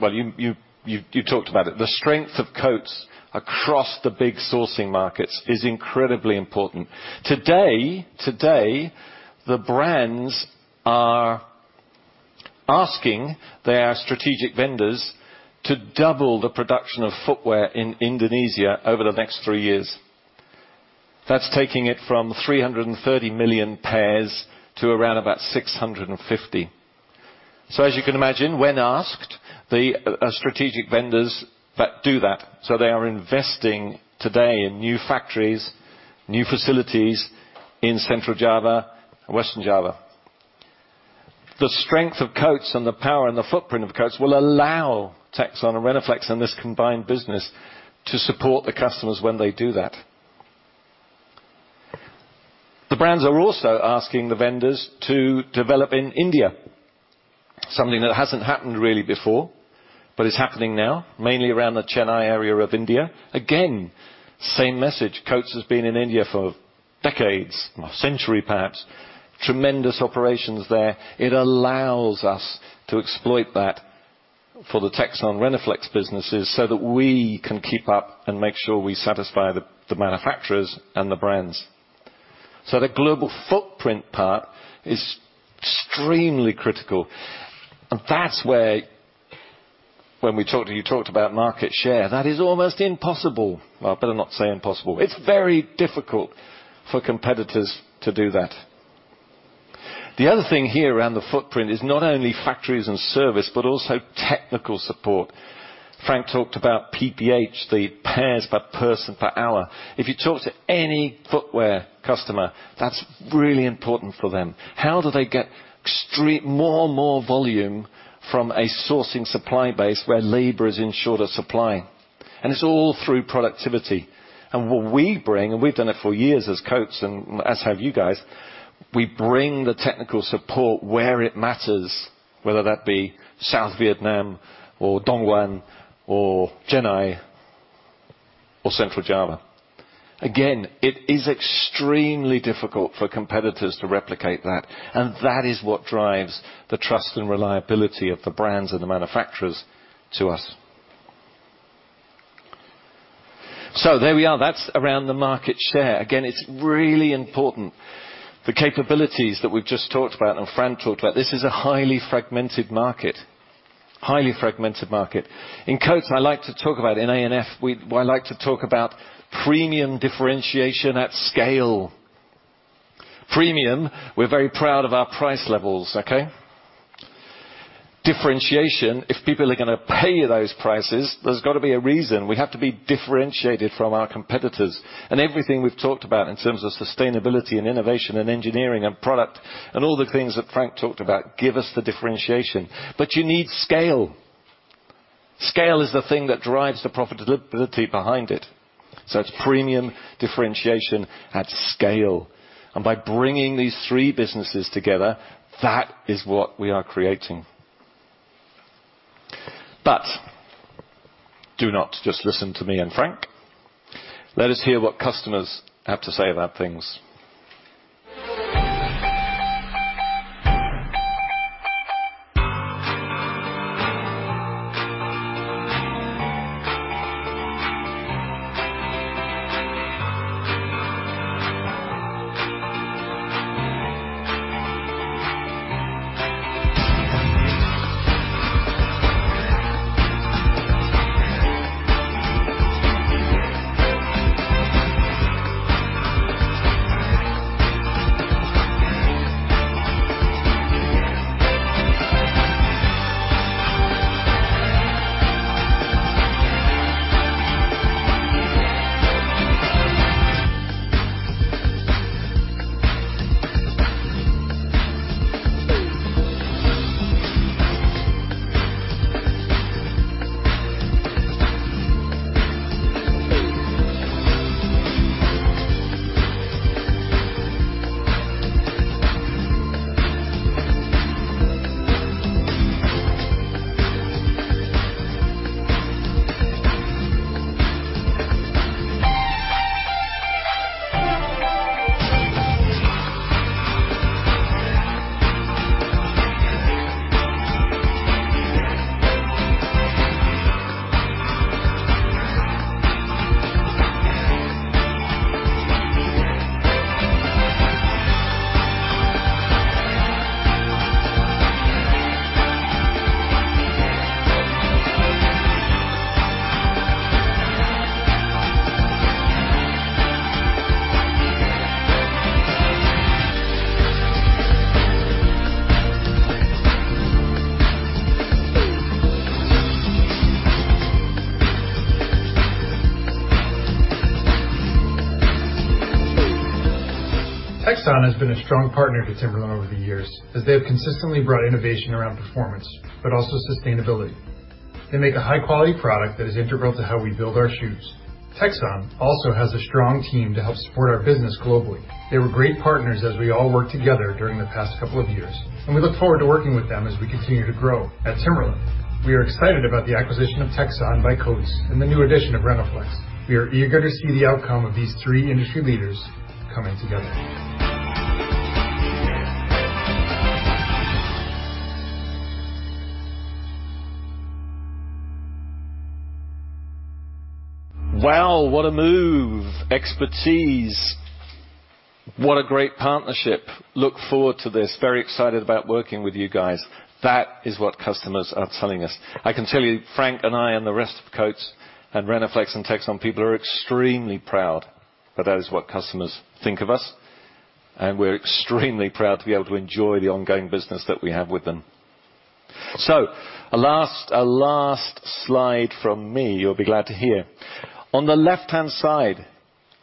Well, you talked about it. The strength of Coats across the big sourcing markets is incredibly important. Today, the brands are asking their strategic vendors to double the production of footwear in Indonesia over the next three years. That's taking it from 330 million pairs to around about 650. As you can imagine, when asked, the strategic vendors do that. They are investing today in new factories, new facilities in Central Java and Western Java. The strength of Coats and the power and the footprint of Coats will allow Texon and Rhenoflex and this combined business to support the customers when they do that. The brands are also asking the vendors to develop in India, something that hasn't happened really before, but it's happening now, mainly around the Chennai area of India. Again, same message. Coats has been in India for decades, a century perhaps. Tremendous operations there. It allows us to exploit that for the Texon and Rhenoflex businesses so that we can keep up and make sure we satisfy the manufacturers and the brands. The global footprint part is extremely critical. That's where when we talked, and you talked about market share, that is almost impossible. Well, I better not say impossible. It's very difficult for competitors to do that. The other thing here around the footprint is not only factories and service, but also technical support. Frank talked about PPH, the pairs per person per hour. If you talk to any footwear customer, that's really important for them. How do they get more and more volume from a sourcing supply base where labor is in shorter supply? It's all through productivity. What we bring, and we've done it for years as Coats and as have you guys, we bring the technical support where it matters, whether that be South Vietnam or Dongguan or Chennai or Central Java. Again, it is extremely difficult for competitors to replicate that, and that is what drives the trust and reliability of the brands and the manufacturers to us. There we are. That's around the market share. Again, it's really important, the capabilities that we've just talked about and Frank talked about. This is a highly fragmented market. I like to talk about premium differentiation at scale. Premium, we're very proud of our price levels, okay? Differentiation, if people are gonna pay those prices, there's gotta be a reason. We have to be differentiated from our competitors. Everything we've talked about in terms of sustainability and innovation and engineering and product and all the things that Frank talked about give us the differentiation. You need scale. Scale is the thing that drives the profitability behind it. It's premium differentiation at scale. By bringing these three businesses together, that is what we are creating. Do not just listen to me and Frank. Let us hear what customers have to say about things. Texon has been a strong partner to Timberland over the years as they have consistently brought innovation around performance, but also sustainability. They make a high quality product that is integral to how we build our shoes. Texon also has a strong team to help support our business globally. They were great partners as we all worked together during the past couple of years, and we look forward to working with them as we continue to grow. At Timberland, we are excited about the acquisition of Texon by Coats and the new addition of Rhenoflex. We are eager to see the outcome of these three industry leaders coming together. Wow, what a move. Expertise. What a great partnership. Look forward to this. Very excited about working with you guys. That is what customers are telling us. I can tell you, Frank and I and the rest of Coats and Rhenoflex and Texon people are extremely proud that that is what customers think of us, and we're extremely proud to be able to enjoy the ongoing business that we have with them. A last slide from me you'll be glad to hear. On the left-hand side,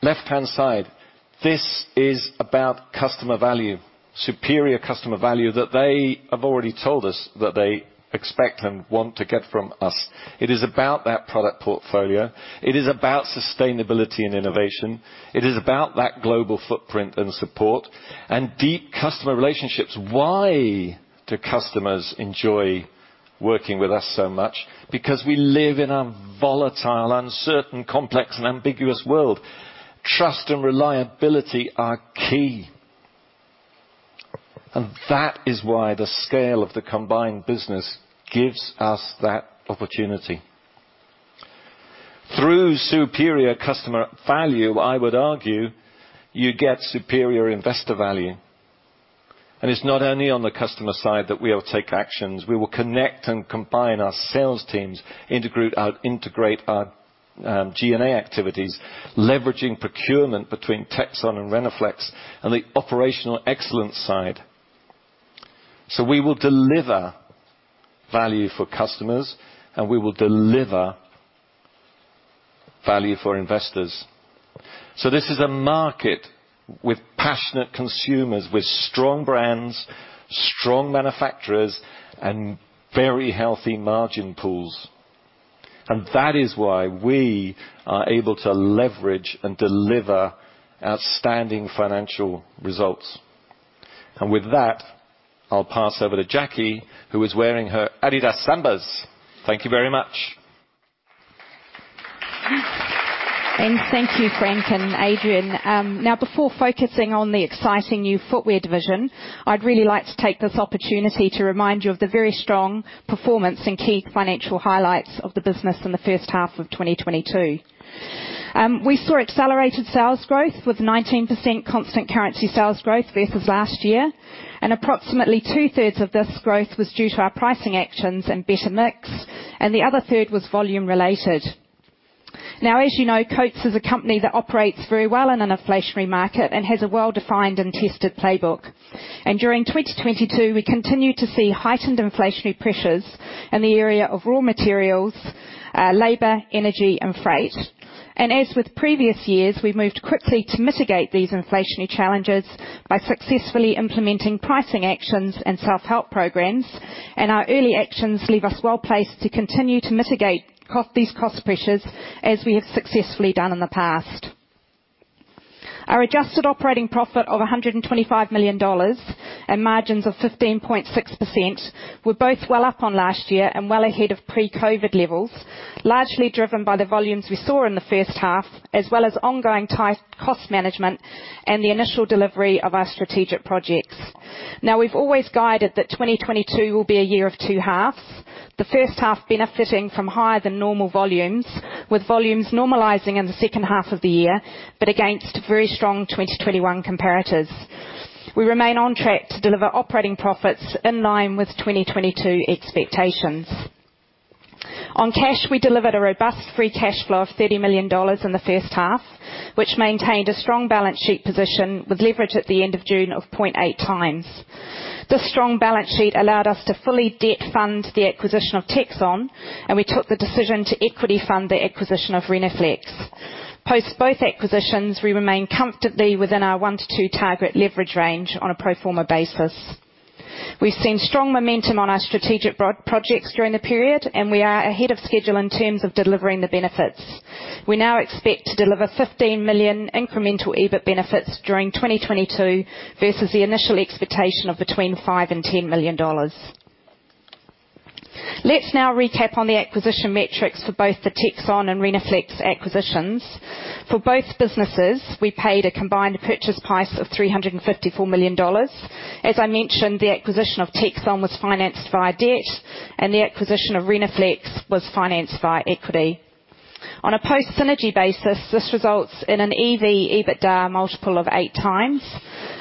this is about customer value, superior customer value that they have already told us that they expect and want to get from us. It is about that product portfolio. It is about sustainability and innovation. It is about that global footprint and support and deep customer relationships. Why do customers enjoy working with us so much? Because we live in a volatile, uncertain, complex, and ambiguous world. Trust and reliability are key. That is why the scale of the combined business gives us that opportunity. Through superior customer value, I would argue, you get superior investor value. It's not only on the customer side that we'll take actions. We will connect and combine our sales teams, integrate our G&A activities, leveraging procurement between Texon and Rhenoflex and the operational excellence side. We will deliver value for customers, and we will deliver value for investors. This is a market with passionate consumers, with strong brands, strong manufacturers, and very healthy margin pools. That is why we are able to leverage and deliver outstanding financial results. With that, I'll pass over to Jackie who is wearing her Adidas Samba. Thank you very much. Thank you, Frank and Adrian. Now before focusing on the exciting new footwear division, I'd really like to take this opportunity to remind you of the very strong performance and key financial highlights of the business in the first half of 2022. We saw accelerated sales growth with 19% constant currency sales growth versus last year, and approximately two-thirds of this growth was due to our pricing actions and better mix, and the other third was volume related. Now, as you know, Coats is a company that operates very well in an inflationary market and has a well-defined and tested playbook. During 2022, we continued to see heightened inflationary pressures in the area of raw materials, labor, energy, and freight. As with previous years, we've moved quickly to mitigate these inflationary challenges by successfully implementing pricing actions and self-help programs. Our early actions leave us well placed to continue to mitigate these cost pressures as we have successfully done in the past. Our adjusted operating profit of $125 million and margins of 15.6% were both well up on last year and well ahead of pre-COVID levels, largely driven by the volumes we saw in the first half, as well as ongoing tight cost management and the initial delivery of our strategic projects. Now, we've always guided that 2022 will be a year of two halves. The first half benefiting from higher than normal volumes, with volumes normalizing in the second half of the year, but against very strong 2021 comparatives. We remain on track to deliver operating profits in line with 2022 expectations. On cash, we delivered a robust free cash flow of $30 million in the first half, which maintained a strong balance sheet position with leverage at the end of June of 0.8x. This strong balance sheet allowed us to fully debt fund the acquisition of Texon, and we took the decision to equity fund the acquisition of Rhenoflex. Post both acquisitions, we remain comfortably within our 1-2 target leverage range on a pro forma basis. We've seen strong momentum on our strategic bolt-on projects during the period, and we are ahead of schedule in terms of delivering the benefits. We now expect to deliver $15 million incremental EBIT benefits during 2022 versus the initial expectation of between $5 million and $10 million. Let's now recap on the acquisition metrics for both the Texon and Rhenoflex acquisitions. For both businesses, we paid a combined purchase price of $354 million. As I mentioned, the acquisition of Texon was financed via debt, and the acquisition of Rhenoflex was financed via equity. On a post-synergy basis, this results in an EV/EBITDA multiple of 8x,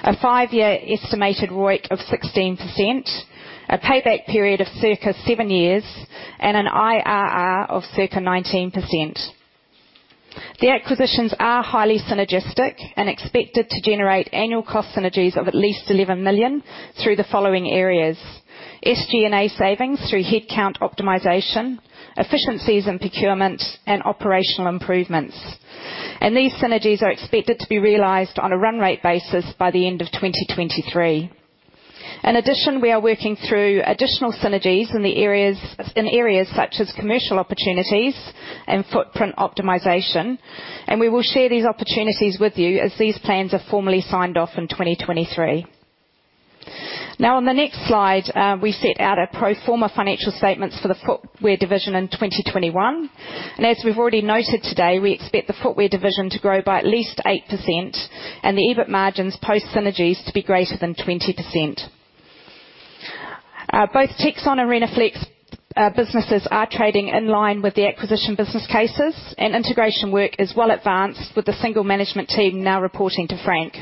a five year estimated ROIC of 16%, a payback period of circa seven years, and an IRR of circa 19%. The acquisitions are highly synergistic and expected to generate annual cost synergies of at least $11 million through the following areas. SG&A savings through headcount optimization, efficiencies in procurement and operational improvements. These synergies are expected to be realized on a run rate basis by the end of 2023. In addition, we are working through additional synergies in the areas, in areas such as commercial opportunities and footprint optimization. We will share these opportunities with you as these plans are formally signed off in 2023. Now on the next slide, we set out our pro forma financial statements for the footwear division in 2021. As we've already noted today, we expect the footwear division to grow by at least 8% and the EBIT margins post synergies to be greater than 20%. Both Texon and Rhenoflex businesses are trading in line with the acquisition business cases and integration work is well advanced with the single management team now reporting to Frank.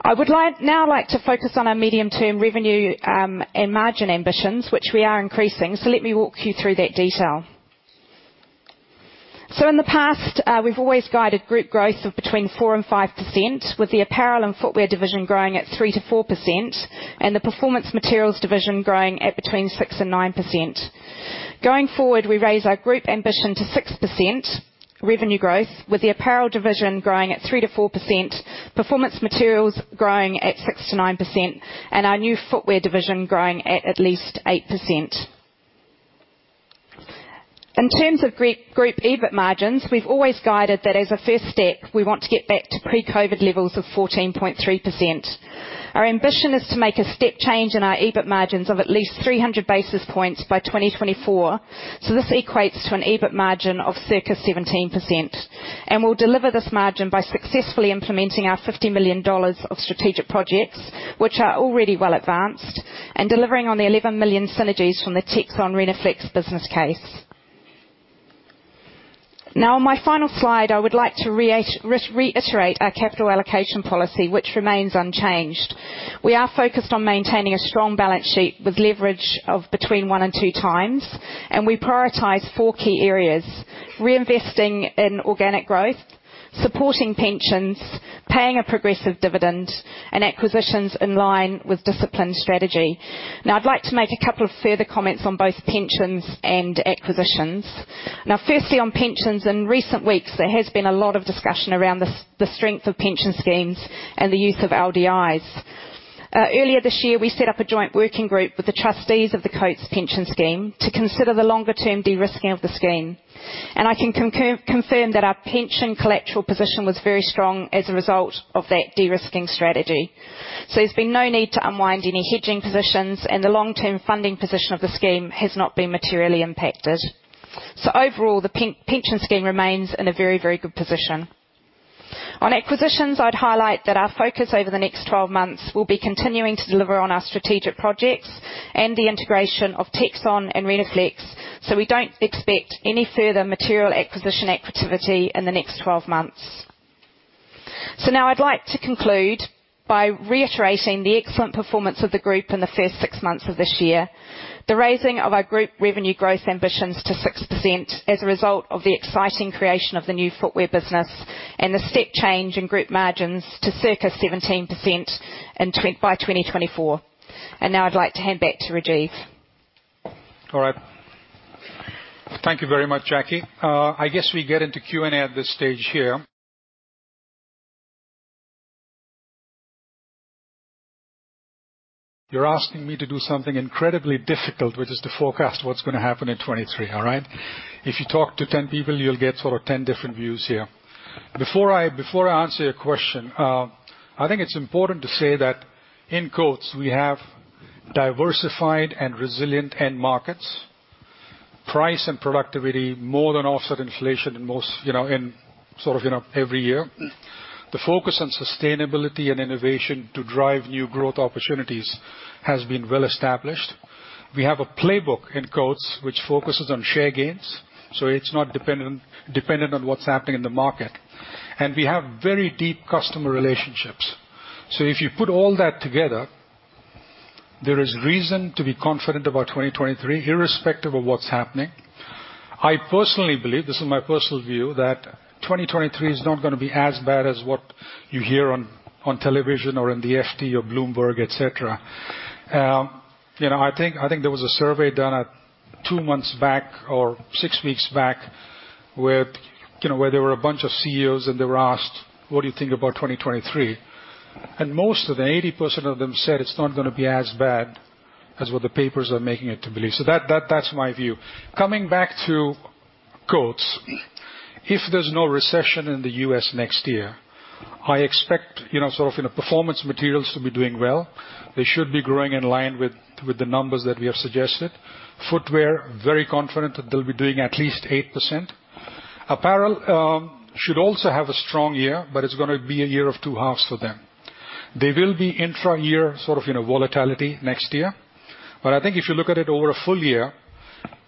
I would like now like to focus on our medium-term revenue and margin ambitions, which we are increasing. Let me walk you through that detail. In the past, we've always guided group growth of between 4% and 5%, with the apparel and footwear division growing at 3%-4% and the performance materials division growing at between 6% and 9%. Going forward, we raise our group ambition to 6% revenue growth, with the apparel division growing at 3%-4%, performance materials growing at 6%-9%, and our new footwear division growing at least 8%. In terms of group EBIT margins, we've always guided that as a first step, we want to get back to pre-COVID levels of 14.3%. Our ambition is to make a step change in our EBIT margins of at least 300 basis points by 2024. This equates to an EBIT margin of circa 17%. We'll deliver this margin by successfully implementing our $50 million of strategic projects, which are already well advanced, and delivering on the $11 million synergies from the Texon-Rhenoflex business case. Now on my final slide, I would like to reiterate our capital allocation policy, which remains unchanged. We are focused on maintaining a strong balance sheet with leverage of between one and two times, and we prioritize four key areas, reinvesting in organic growth, supporting pensions, paying a progressive dividend, and acquisitions in line with disciplined strategy. Now I'd like to make a couple of further comments on both pensions and acquisitions. Now, firstly, on pensions, in recent weeks, there has been a lot of discussion around the strength of pension schemes and the use of LDIs. Earlier this year, we set up a joint working group with the trustees of the Coats UK Pension Scheme to consider the longer term de-risking of the scheme. I can confirm that our pension collateral position was very strong as a result of that de-risking strategy. There's been no need to unwind any hedging positions, and the long-term funding position of the scheme has not been materially impacted. Overall, the pension scheme remains in a very good position. On acquisitions, I'd highlight that our focus over the next 12 months will be continuing to deliver on our strategic projects and the integration of Texon and Rhenoflex. We don't expect any further material acquisition activity in the next 12 months. Now I'd like to conclude by reiterating the excellent performance of the group in the first six months of this year, the raising of our group revenue growth ambitions to 6% as a result of the exciting creation of the new footwear business, and the step change in group margins to circa 17% by 2024. Now I'd like to hand back to Rajiv. All right. Thank you very much, Jackie. I guess we get into Q&A at this stage here. You're asking me to do something incredibly difficult, which is to forecast what's gonna happen in 2023. All right? If you talk to 10 people, you'll get sort of 10 different views here. Before I answer your question, I think it's important to say that in Coats, we have diversified and resilient end markets. Price and productivity more than offset inflation in most, you know, in sort of, you know, every year. The focus on sustainability and innovation to drive new growth opportunities has been well established. We have a playbook in Coats which focuses on share gains, so it's not dependent on what's happening in the market. We have very deep customer relationships. If you put all that together, there is reason to be confident about 2023, irrespective of what's happening. I personally believe, this is my personal view, that 2023 is not gonna be as bad as what you hear on television or in the FT or Bloomberg, et cetera. You know, I think there was a survey done at 2 months back or 6 weeks back with, you know, where there were a bunch of CEOs and they were asked, "What do you think about 2023?" Most of them, 80% of them said, "It's not gonna be as bad as what the papers are making it to believe." That's my view. Coming back to Coats, if there's no recession in the U.S. next year, I expect, you know, sort of in a performance materials to be doing well. They should be growing in line with the numbers that we have suggested. Footwear, very confident that they'll be doing at least 8%. Apparel should also have a strong year, but it's gonna be a year of two halves for them. There will be intra-year sort of, you know, volatility next year. I think if you look at it over a full year,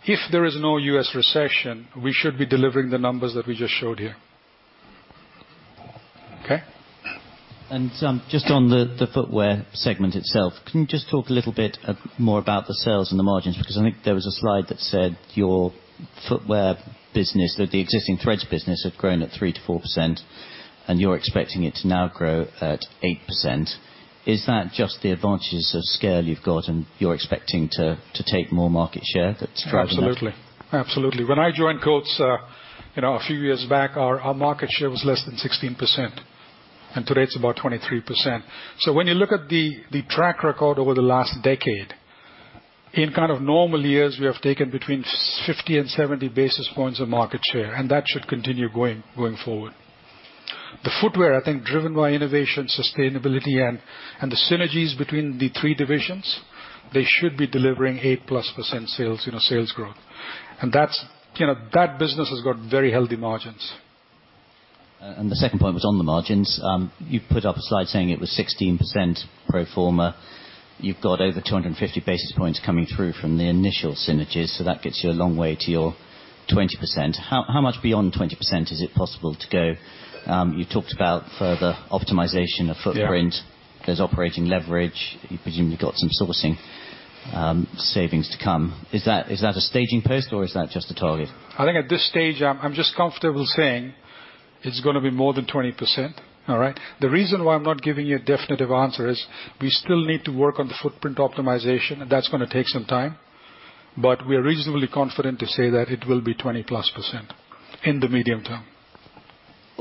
if there is no US recession, we should be delivering the numbers that we just showed here. Okay? Just on the footwear segment itself, can you just talk a little bit more about the sales and the margins? Because I think there was a slide that said your footwear business that the existing threads business have grown at 3%-4%, and you're expecting it to now grow at 8%. Is that just the advantages of scale you've got and you're expecting to take more market share? Absolutely. When I joined Coats, you know, a few years back, our market share was less than 16%, and today it's about 23%. When you look at the track record over the last decade, in kind of normal years, we have taken between 50 and 70 basis points of market share, and that should continue going forward. The footwear, I think driven by innovation, sustainability and the synergies between the three divisions, they should be delivering 8%+ sales, you know, sales growth. You know, that business has got very healthy margins. The second point was on the margins. You put up a slide saying it was 16% pro forma. You've got over 250 basis points coming through from the initial synergies, so that gets you a long way to your 20%. How much beyond 20% is it possible to go? You talked about further optimization of footprint. Yeah. There's operating leverage. You've presumably got some sourcing savings to come. Is that a staging post or is that just a target? I think at this stage I'm just comfortable saying it's gonna be more than 20%. All right. The reason why I'm not giving you a definitive answer is we still need to work on the footprint optimization, and that's gonna take some time. We are reasonably confident to say that it will be 20%+ in the medium term.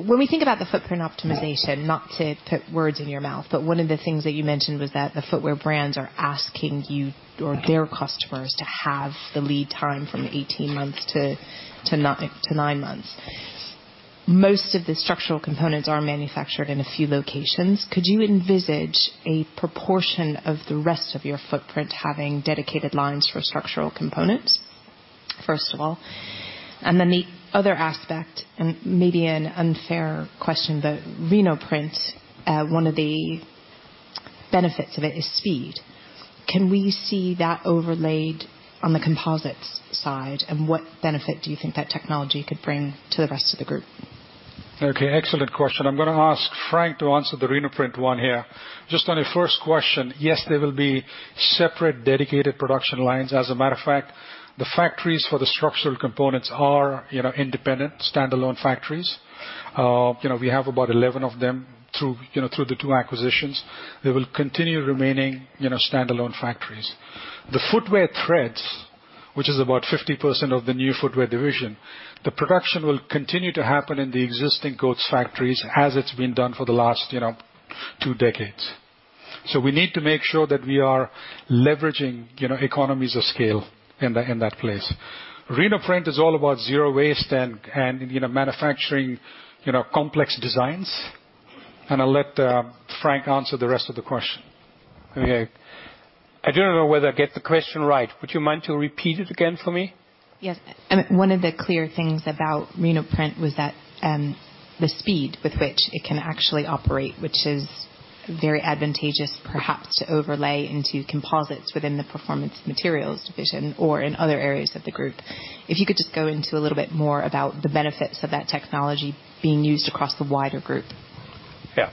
When we think about the footprint optimization, not to put words in your mouth, but one of the things that you mentioned was that the footwear brands are asking you or their customers to have the lead time from 18 months to nine months. Most of the structural components are manufactured in a few locations. Could you envisage a proportion of the rest of your footprint having dedicated lines for structural components, first of all? Then the other aspect, and maybe an unfair question, but Rhenoprint, one of the benefits of it is speed. Can we see that overlaid on the composites side? What benefit do you think that technology could bring to the rest of the group? Okay, excellent question. I'm gonna ask Frank to answer the Rhenoprint™ one here. Just on your first question, yes, there will be separate dedicated production lines. As a matter of fact, the factories for the structural components are, you know, independent, standalone factories. You know, we have about 11 of them through, you know, through the two acquisitions. They will continue remaining, you know, standalone factories. The footwear threads, which is about 50% of the new footwear division, the production will continue to happen in the existing Coats factories as it's been done for the last, you know, two decades. So we need to make sure that we are leveraging, you know, economies of scale in that place. Rhenoprint™ is all about zero waste and you know, manufacturing, you know, complex designs. I'll let Frank answer the rest of the question. Okay. I don't know whether I get the question right. Would you mind to repeat it again for me? Yes. One of the clear things about Rhenoprint™ was that, the speed with which it can actually operate, which is very advantageous perhaps to overlay into composites within the performance materials division or in other areas of the group. If you could just go into a little bit more about the benefits of that technology being used across the wider group. Yeah.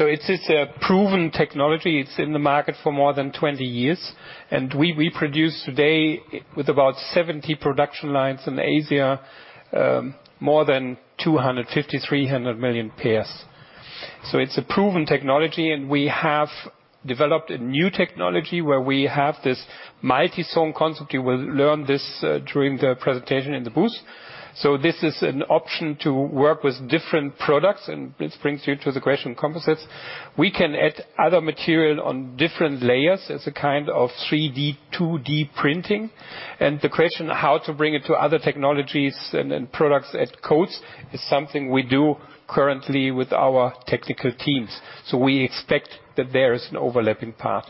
It's a proven technology. It's in the market for more than 20 years, and we produce today with about 70 production lines in Asia, more than 250-300 million pairs. It's a proven technology, and we have developed a new technology where we have this multi-zone concept. You will learn this during the presentation in the booth. This is an option to work with different products, and this brings you to the question composites. We can add other material on different layers as a kind of 3D 2D printing. The question how to bring it to other technologies and products at Coats is something we do currently with our technical teams. We expect that there is an overlapping path.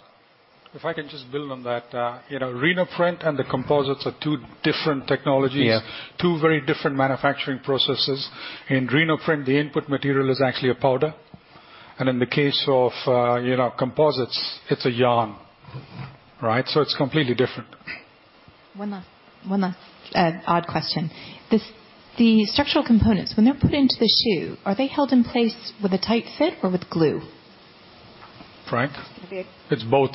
If I can just build on that. You know, Rhenoprint™ and the composites are two different technologies. Yeah. Two very different manufacturing processes. In Rhenoprint, the input material is actually a powder. In the case of, you know, composites, it's a yarn. Right? It's completely different. One last odd question. This, the structural components, when they're put into the shoe, are they held in place with a tight fit or with glue? Frank? It's gonna be- It's both.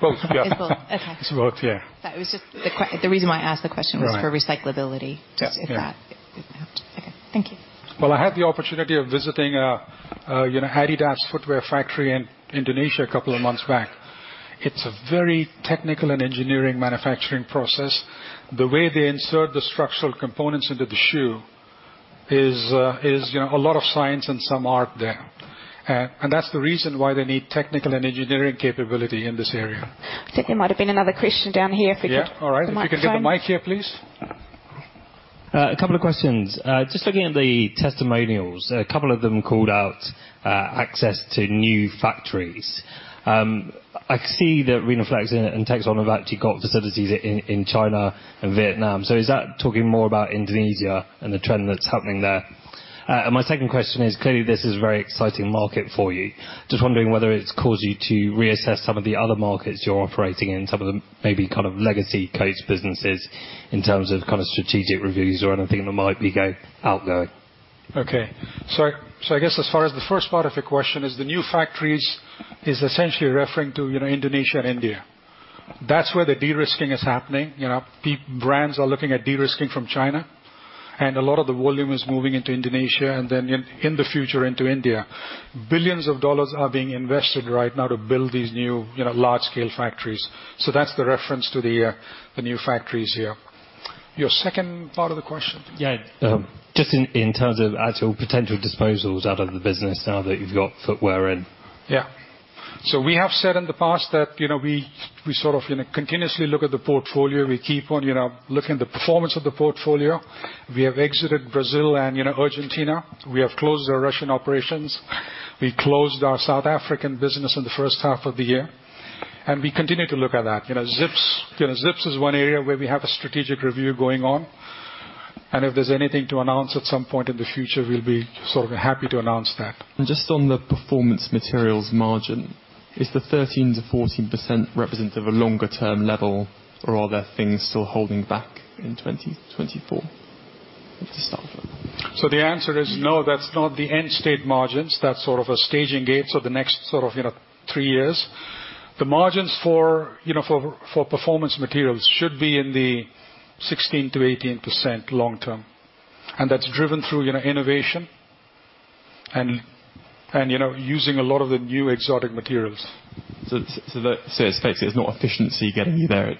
Both, yeah. It's both. Okay. It's both. Yeah. That was just the reason why I asked the question was. Right. for recyclability. Yeah. Okay. Thank you. Well, I had the opportunity of visiting, you know, Adidas footwear factory in Indonesia a couple of months back. It's a very technical and engineering manufacturing process. The way they insert the structural components into the shoe is, you know, a lot of science and some art there. That's the reason why they need technical and engineering capability in this area. I think there might have been another question down here if we could. Yeah. All right. The microphone. If we could get the mic here, please. A couple of questions. Just looking at the testimonials, a couple of them called out access to new factories. I see that Rhenoflex and Texon have actually got facilities in China and Vietnam. Is that talking more about Indonesia and the trend that's happening there? My second question is, clearly this is a very exciting market for you. Just wondering whether it's caused you to reassess some of the other markets you're operating in, some of the maybe kind of legacy Coats businesses in terms of kind of strategic reviews or anything that might be outgoing. I guess as far as the first part of your question is the new factories is essentially referring to, you know, Indonesia and India. That's where the de-risking is happening. You know, brands are looking at de-risking from China, and a lot of the volume is moving into Indonesia, and then in the future, into India. $ Billions are being invested right now to build these new, you know, large-scale factories. That's the reference to the new factories here. Your second part of the question? Yeah, just in terms of actual potential disposals out of the business now that you've got footwear in. Yeah. We have said in the past that, you know, we sort of continuously look at the portfolio. We keep on, you know, looking at the performance of the portfolio. We have exited Brazil and, you know, Argentina. We have closed our Russian operations. We closed our South African business in the first half of the year, and we continue to look at that. You know, Zips is one area where we have a strategic review going on, and if there's anything to announce at some point in the future, we'll be sort of happy to announce that. Just on the performance materials margin, is the 13%-14% representative of longer term level, or are there things still holding back in 2024 to start with? The answer is no, that's not the end state margins. That's sort of a staging gate for the next sort of, you know, three years. The margins for, you know, performance materials should be in the 16%-18% long term, and that's driven through, you know, innovation and, you know, using a lot of the new exotic materials. Basically, it's not efficiency getting you there,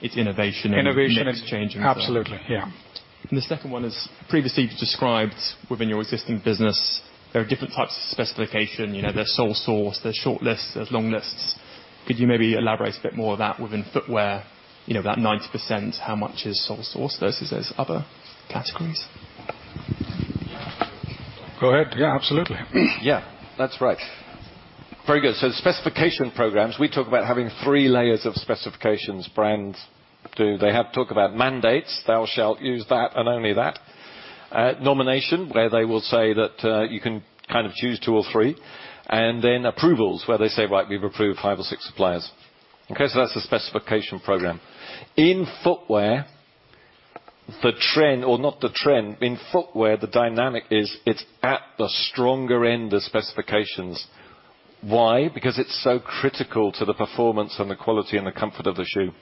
it's innovation and. Innovation. Mix changing. Absolutely. Yeah. The second one is, previously you described within your existing business, there are different types of specification. You know, there's sole source, there's short lists, there's long lists. Could you maybe elaborate a bit more of that within footwear? You know, that 90%, how much is sole source versus those other categories? Go ahead. Yeah, absolutely. Yeah, that's right. Very good. Specification programs, we talk about having three layers of specifications. Brands have to talk about mandates, thou shalt use that and only that. Nomination, where they will say that, you can kind of choose two or three. Approvals, where they say, "Right, we've approved five or six suppliers." Okay? That's the specification program. In footwear, the dynamic is it's at the stronger end of specifications. Why? Because it's so critical to the performance and the quality and the comfort of the shoe.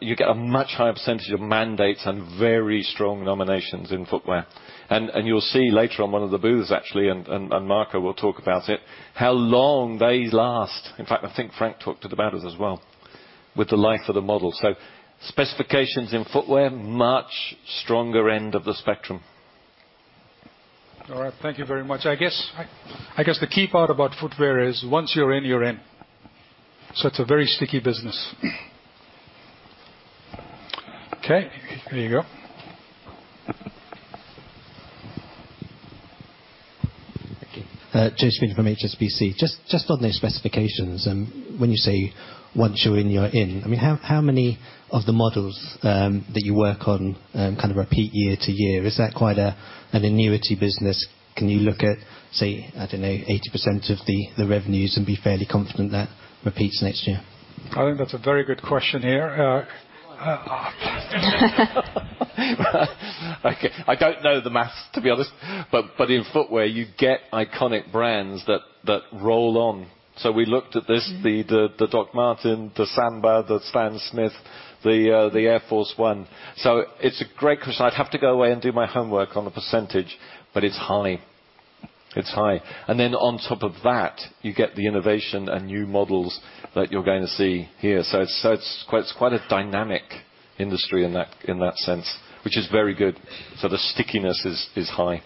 You get a much higher percentage of mandates and very strong nominations in footwear. You'll see later on one of the booths actually, Marco will talk about it, how long they last. In fact, I think Frank talked about it as well, with the life of the model. Specifications in footwear, much stronger end of the spectrum. All right. Thank you very much. I guess the key part about footwear is once you're in, you're in. It's a very sticky business. Okay, there you go. Thank you. James Peters from HSBC. Just on the specifications, when you say, once you're in, you're in. I mean, how many of the models that you work on kind of repeat year to year? Is that quite an annuity business? Can you look at, say, I don't know, 80% of the revenues and be fairly confident that repeats next year? I think that's a very good question here. Okay. I don't know the math, to be honest, but in footwear, you get iconic brands that roll on. We looked at this. Mm-hmm. The Dr. Martens, the Samba, the Stan Smith, the Air Force 1. It's a great question. I'd have to go away and do my homework on the percentage, but it's high. It's high. Then on top of that, you get the innovation and new models that you're going to see here. It's quite a dynamic industry in that sense, which is very good. The stickiness is high.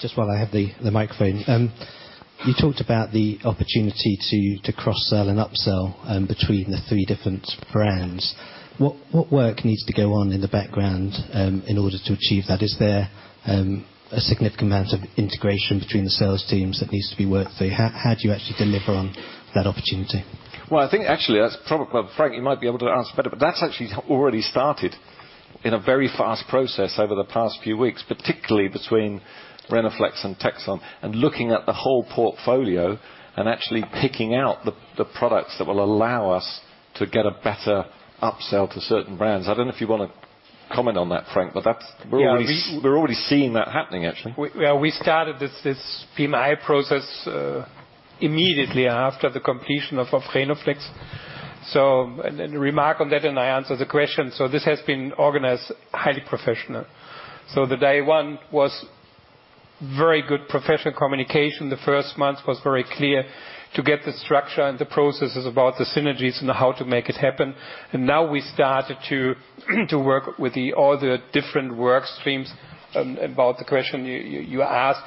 Just while I have the microphone. You talked about the opportunity to cross-sell and upsell between the three different brands. What work needs to go on in the background in order to achieve that? Is there a significant amount of integration between the sales teams that needs to be worked through? How do you actually deliver on that opportunity? Well, I think actually that's probably Frank, you might be able to answer better, but that's actually already started in a very fast process over the past few weeks, particularly between Rhenoflex and Texon, and looking at the whole portfolio and actually picking out the products that will allow us to get a better upsell to certain brands. I don't know if you wanna comment on that, Frank, but that's. Yeah. We're already seeing that happening, actually. We started this PMI process immediately after the completion of Rhenoflex. Remark on that and I answer the question. This has been organized highly professional. The day one was very good professional communication. The first month was very clear to get the structure and the processes about the synergies and how to make it happen. Now we started to work with all the different work streams about the question you asked.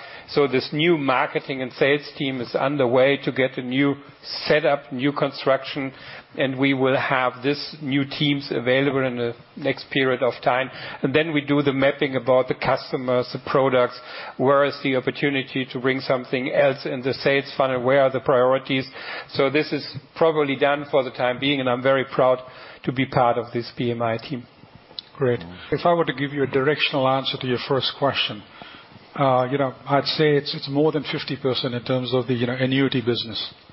This new marketing and sales team is underway to get a new set up, new construction, and we will have this new teams available in the next period of time. Then we do the mapping about the customers, the products. Where is the opportunity to bring something else in the sales funnel? Where are the priorities? This is probably done for the time being, and I'm very proud to be part of this PMI team. Great. If I were to give you a directional answer to your first question, you know, I'd say it's more than 50% in terms of the, you know, annuity business. All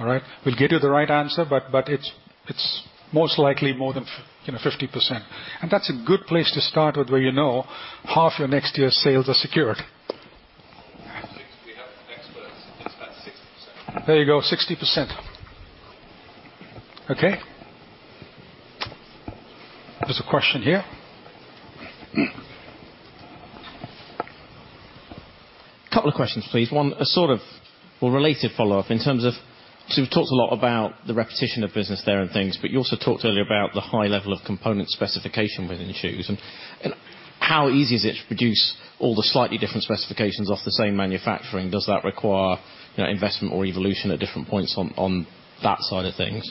right. We'll get you the right answer, but it's most likely more than, you know, 50%. That's a good place to start with where you know half your next year's sales are secured. There you go, 60%. Okay. There's a question here. Couple of questions, please. One, a sort of or related follow-up in terms of. You've talked a lot about the retention of business there and things, but you also talked earlier about the high level of component specification within shoes. How easy is it to produce all the slightly different specifications off the same manufacturing? Does that require, you know, investment or evolution at different points on that side of things?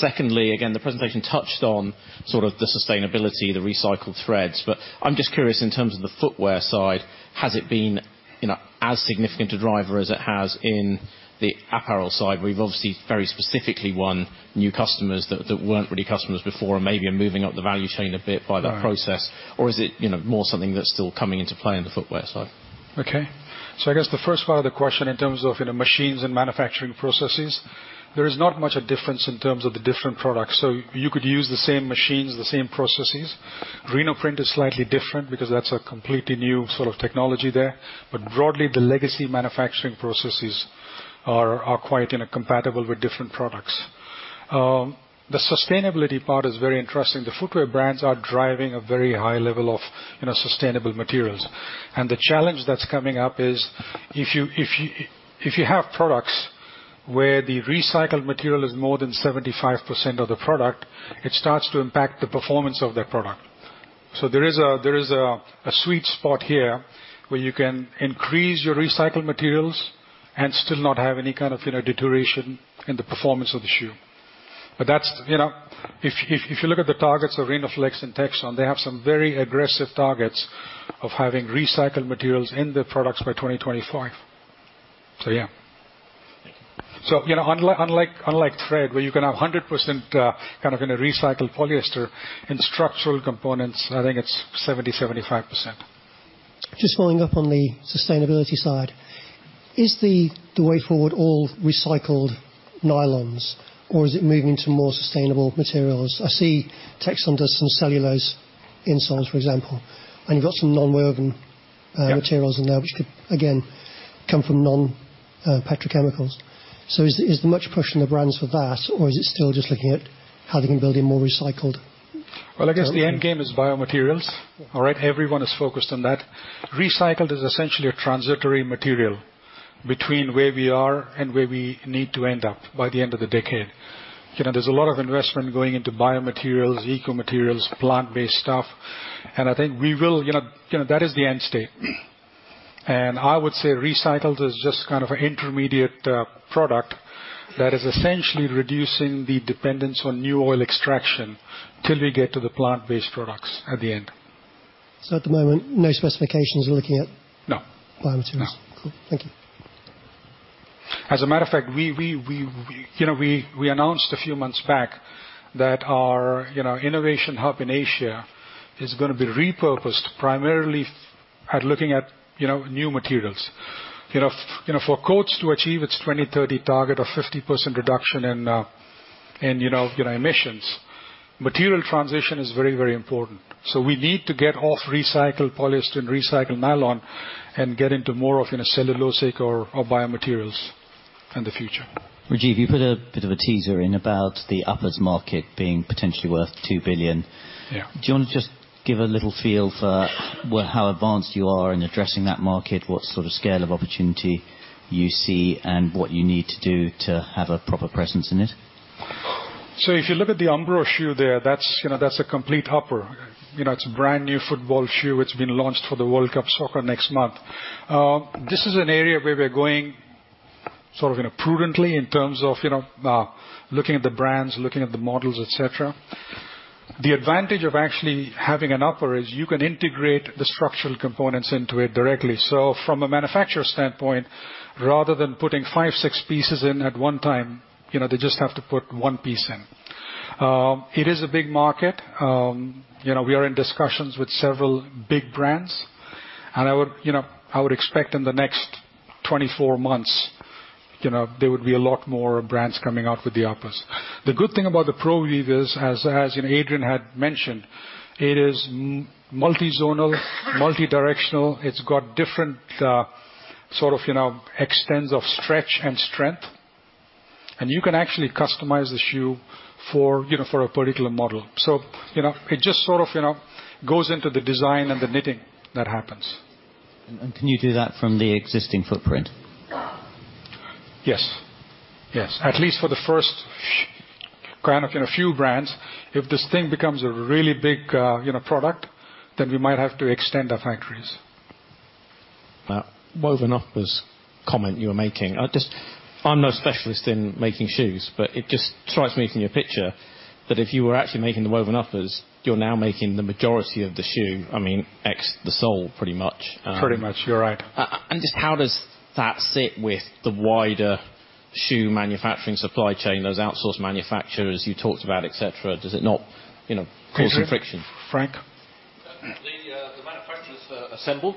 Secondly, again, the presentation touched on sort of the sustainability, the recycled threads. I'm just curious in terms of the footwear side. Has it been, you know, as significant a driver as it has in the apparel side, where you've obviously very specifically won new customers that weren't really customers before and maybe are moving up the value chain a bit by that- Right. Process or is it, you know, more something that's still coming into play in the footwear side? Okay. I guess the first part of the question in terms of, you know, machines and manufacturing processes, there is not much a difference in terms of the different products. You could use the same machines, the same processes. Rhenoprint is slightly different because that's a completely new sort of technology there. Broadly, the legacy manufacturing processes are quite inter-compatible with different products. The sustainability part is very interesting. The footwear brands are driving a very high level of, you know, sustainable materials. The challenge that's coming up is if you have products where the recycled material is more than 75% of the product, it starts to impact the performance of that product. There is a sweet spot here where you can increase your recycled materials and still not have any kind of, you know, deterioration in the performance of the shoe. But that's. You know, if you look at the targets of Rhenoflex and Texon, they have some very aggressive targets of having recycled materials in their products by 2025. Yeah. Thank you. You know, unlike thread where you can have 100%, kind of in a recycled polyester, in structural components, I think it's 75%. Just following up on the sustainability side. Is the way forward all recycled nylons, or is it moving into more sustainable materials? I see Texon does some cellulose insoles, for example, and you've got some non-woven materials in there which could, again, come from non-petrochemicals. Is there much push in the brands for that, or is it still just looking at how they can build in more recycled? Well, I guess the end game is biomaterials. Yeah. All right? Everyone is focused on that. Recycled is essentially a transitory material between where we are and where we need to end up by the end of the decade. You know, there's a lot of investment going into biomaterials, eco materials, plant-based stuff. I think we will. You know, that is the end state. I would say recycled is just kind of an intermediate product that is essentially reducing the dependence on new oil extraction till we get to the plant-based products at the end. At the moment, no specifications are looking at. No. Biomaterials? No. Cool. Thank you. As a matter of fact, we. You know, we announced a few months back that our you know innovation hub in Asia is gonna be repurposed primarily at looking at you know new materials. You know, for Coats to achieve its 2030 target of 50% reduction in emissions, material transition is very, very important. We need to get off recycled polyester and recycled nylon and get into more of you know cellulosic or biomaterials in the future. Rajiv, you put a bit of a teaser in about the uppers market being potentially worth $2 billion. Yeah. Do you wanna just give a little feel for how advanced you are in addressing that market, what sort of scale of opportunity you see, and what you need to do to have a proper presence in it? If you look at the Umbro shoe there, that's a complete upper. It's a brand-new football shoe. It's been launched for the World Cup Soccer next month. This is an area where we're going sort of prudently in terms of looking at the brands, looking at the models, et cetera. The advantage of actually having an upper is you can integrate the structural components into it directly. From a manufacturer standpoint, rather than putting five, six pieces in at one time, they just have to put one piece in. It is a big market. We are in discussions with several big brands. I would expect in the next 24 months, there would be a lot more brands coming out with the uppers. The good thing about the ProWeave is, as you know, Adrian had mentioned, it is multizonal, multidirectional. It's got different, sort of, you know, extents of stretch and strength. You can actually customize the shoe for, you know, for a particular model. It just sort of, you know, goes into the design and the knitting that happens. Can you do that from the existing footprint? Yes. Yes. At least for the first, you know, few brands. If this thing becomes a really big, you know, product, then we might have to extend our factories. That woven uppers comment you were making. I just I'm no specialist in making shoes, but it just strikes me from your picture that if you were actually making the woven uppers, you're now making the majority of the shoe. I mean, ex the sole pretty much. Pretty much. You're right. Just how does that sit with the wider shoe manufacturing supply chain, those outsourced manufacturers you talked about, et cetera? Does it not, you know? Frank? cause any friction? Frank? The manufacturers assemble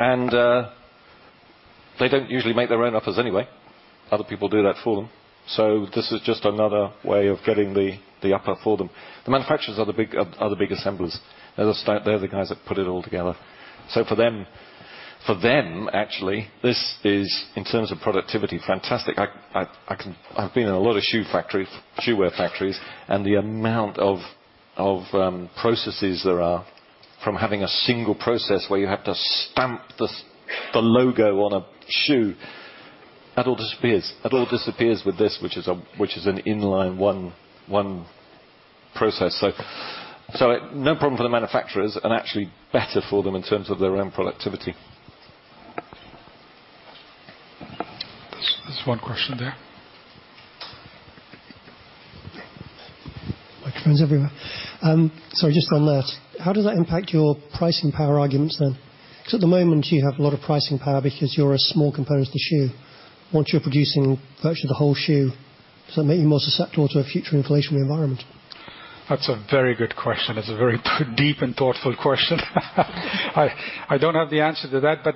and they don't usually make their own uppers anyway. Other people do that for them. This is just another way of getting the upper for them. The manufacturers are the big assemblers. They're the guys that put it all together. For them, actually, this is in terms of productivity, fantastic. I can. I've been in a lot of shoe factories, footwear factories, and the amount of processes there are from having a single process where you have to stamp the logo on a shoe, that all disappears. That all disappears with this, which is an inline one process. No problem for the manufacturers and actually better for them in terms of their own productivity. There's one question there. Microphones everywhere. Sorry, just on that. How does that impact your pricing power arguments then? 'Cause at the moment you have a lot of pricing power because you're a small component of the shoe. Once you're producing virtually the whole shoe, does that make you more susceptible to a future inflationary environment? That's a very good question. That's a very deep and thoughtful question. I don't have the answer to that, but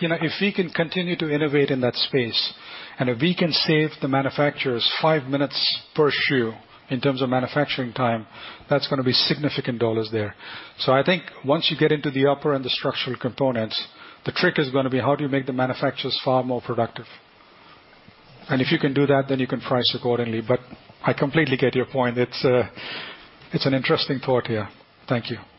you know, if we can continue to innovate in that space, and if we can save the manufacturers five minutes per shoe in terms of manufacturing time, that's gonna be significant dollars there. I think once you get into the upper and the structural components, the trick is gonna be how do you make the manufacturers far more productive? If you can do that, then you can price accordingly. I completely get your point. It's an interesting thought, yeah. Thank you.